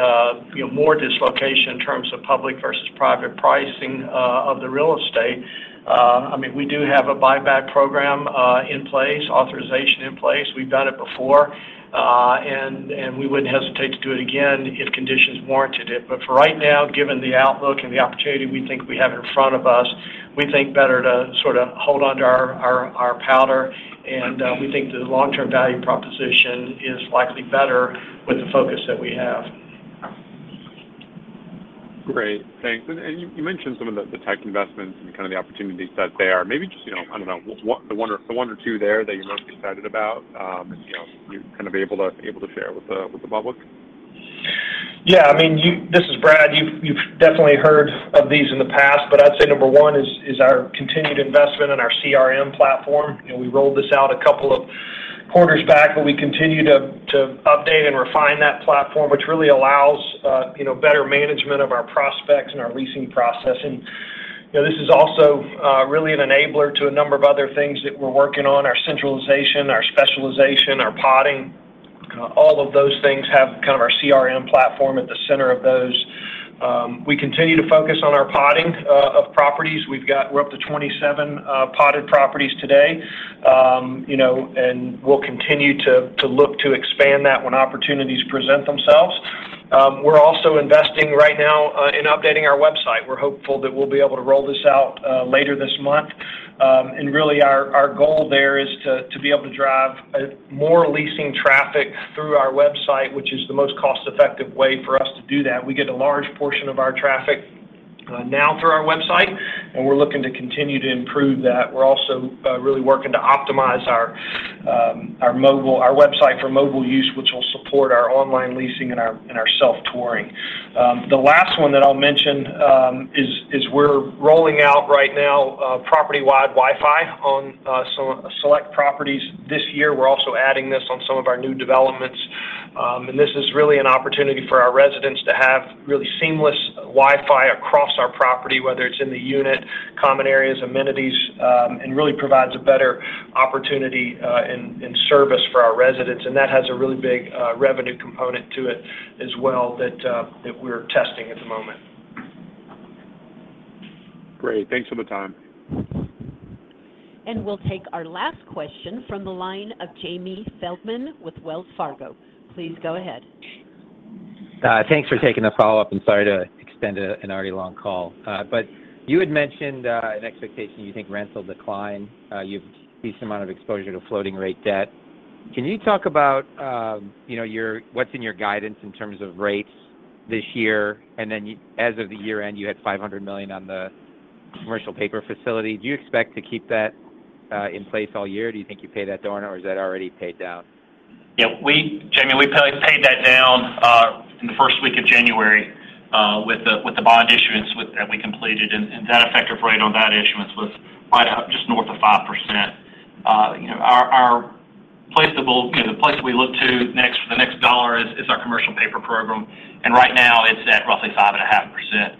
you know, more dislocation in terms of public versus private pricing of the real estate, I mean, we do have a buyback program in place, authorization in place. We've done it before, and we wouldn't hesitate to do it again if conditions warranted it. But for right now, given the outlook and the opportunity we think we have in front of us, we think better to sort of hold on to our powder, and we think the long-term value proposition is likely better with the focus that we have. Great. Thanks. And you mentioned some of the tech investments and kind of the opportunities that there. Maybe just, you know, I don't know, one or two there that you're most excited about, you know, you're kind of able to share with the public? .Yeah, I mean, you, this is Brad. You've definitely heard of these in the past, but I'd say number one is our continued investment in our CRM platform. And we rolled this out a couple of quarters back, but we continue to update and refine that platform, which really allows, you know, better management of our prospects and our leasing process. And, you know, this is also really an enabler to a number of other things that we're working on, our centralization, our specialization, our podding. All of those things have kind of our CRM platform at the center of those. We continue to focus on our podding of properties. We're up to 27 podded properties today. You know, and we'll continue to look to expand that when opportunities present themselves. We're also investing right now in updating our website. We're hopeful that we'll be able to roll this out later this month. Really, our goal there is to be able to drive more leasing traffic through our website, which is the most cost-effective way for us to do that. We get a large portion of our traffic now through our website, and we're looking to continue to improve that. We're also really working to optimize our website for mobile use, which will support our online leasing and our self-touring. The last one that I'll mention is we're rolling out right now property-wide Wi-Fi on some select properties this year. We're also adding this on some of our new developments. And this is really an opportunity for our residents to have really seamless Wi-Fi across our property, whether it's in the unit, common areas, amenities, and really provides a better opportunity and service for our residents, and that has a really big revenue component to it as well, that we're testing at the moment. Great. Thanks for the time. We'll take our last question from the line of Jamie Feldman with Wells Fargo. Please go ahead. Thanks for taking the follow-up, and sorry to extend an already long call. But you had mentioned an expectation you think rents will decline. You've a decent amount of exposure to floating rate debt. Can you talk about, you know, your what's in your guidance in terms of rates this year? And then as of the year-end, you had $500 million on the commercial paper facility. Do you expect to keep that in place all year, or do you think you pay that down, or is that already paid down? Yeah, Jamie, we paid that down in the first week of January with the bond issuance that we completed, and that effective rate on that issuance was right just north of 5%. You know, our placeable, you know, the place we look to next for the next dollar is our commercial paper program, and right now it's at roughly 5.5%.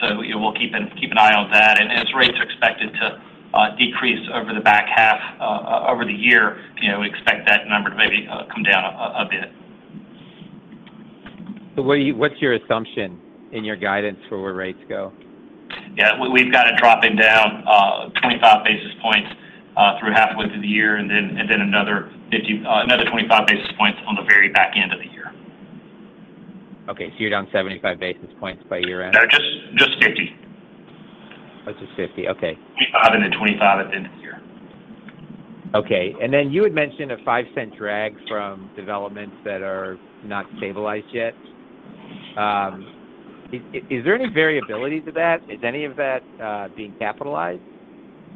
So, you know, we'll keep an eye on that, and as rates are expected to decrease over the back half over the year, you know, we expect that number to maybe come down a bit. So what's your assumption in your guidance for where rates go? Yeah, we've got it dropping down 25 basis points through halfway through the year, and then another 25 basis points on the very back end of the year. Okay, so you're down 75 basis points by year end? No, just, just 50. Oh, just 50. Okay. 25 and then 25 at the end of the year. Okay. And then you had mentioned a $0.05 drag from developments that are not stabilized yet. Is there any variability to that? Is any of that being capitalized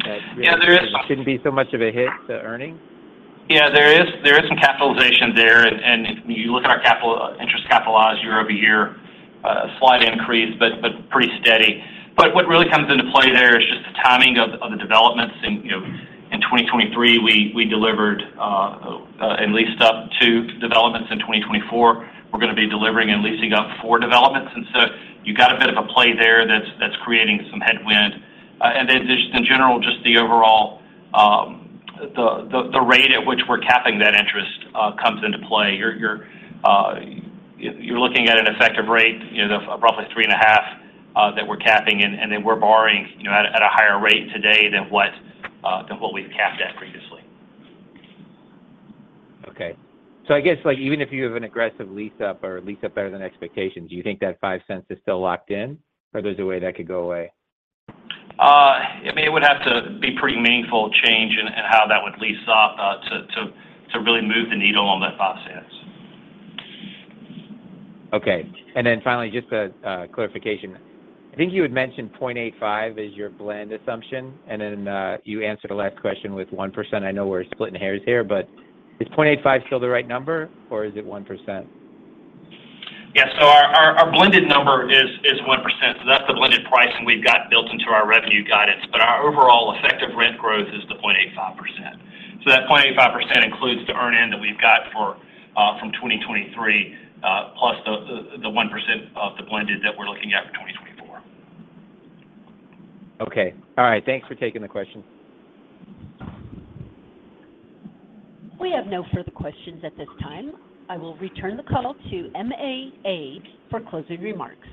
that- Yeah, there is- shouldn't be so much of a hit to earnings? Yeah, there is some capitalization there, and if you look at our capital, interest capitalized year-over-year, a slight increase, but pretty steady. But what really comes into play there is just the timing of the developments. And, you know, in 2023, we delivered and leased up two developments. In 2024, we're gonna be delivering and leasing up four developments. And so you got a bit of a play there that's creating some headwind. And then just in general, just the overall, the rate at which we're capping that interest comes into play. You're looking at an effective rate, you know, of roughly 3.5 that we're capping, and then we're borrowing, you know, at a higher rate today than what we've capped at previously. Okay. So I guess, like, even if you have an aggressive lease up or a lease up better than expectations, do you think that $0.05 is still locked in, or there's a way that could go away? I mean, it would have to be pretty meaningful change in how that would lease up to really move the needle on that $0.05. Okay. And then finally, just a clarification. I think you had mentioned 0.85% as your blend assumption, and then you answered the last question with 1%. I know we're splitting hairs here, but is 0.85% still the right number, or is it 1%? Yeah. So our blended number is 1%. So that's the blended pricing we've got built into our revenue guidance, but our overall effective rent growth is the 0.85%. So that 0.85% includes the earn-in that we've got for from 2023 plus the 1% of the blended that we're looking at for 2024. Okay. All right. Thanks for taking the question. We have no further questions at this time. I will return the call to MAA for closing remarks.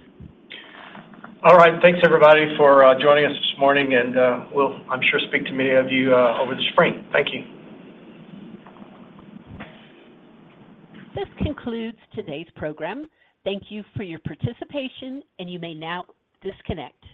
All right. Thanks, everybody, for joining us this morning, and we'll, I'm sure, speak to many of you over the spring. Thank you. This concludes today's program. Thank you for your participation, and you may now disconnect.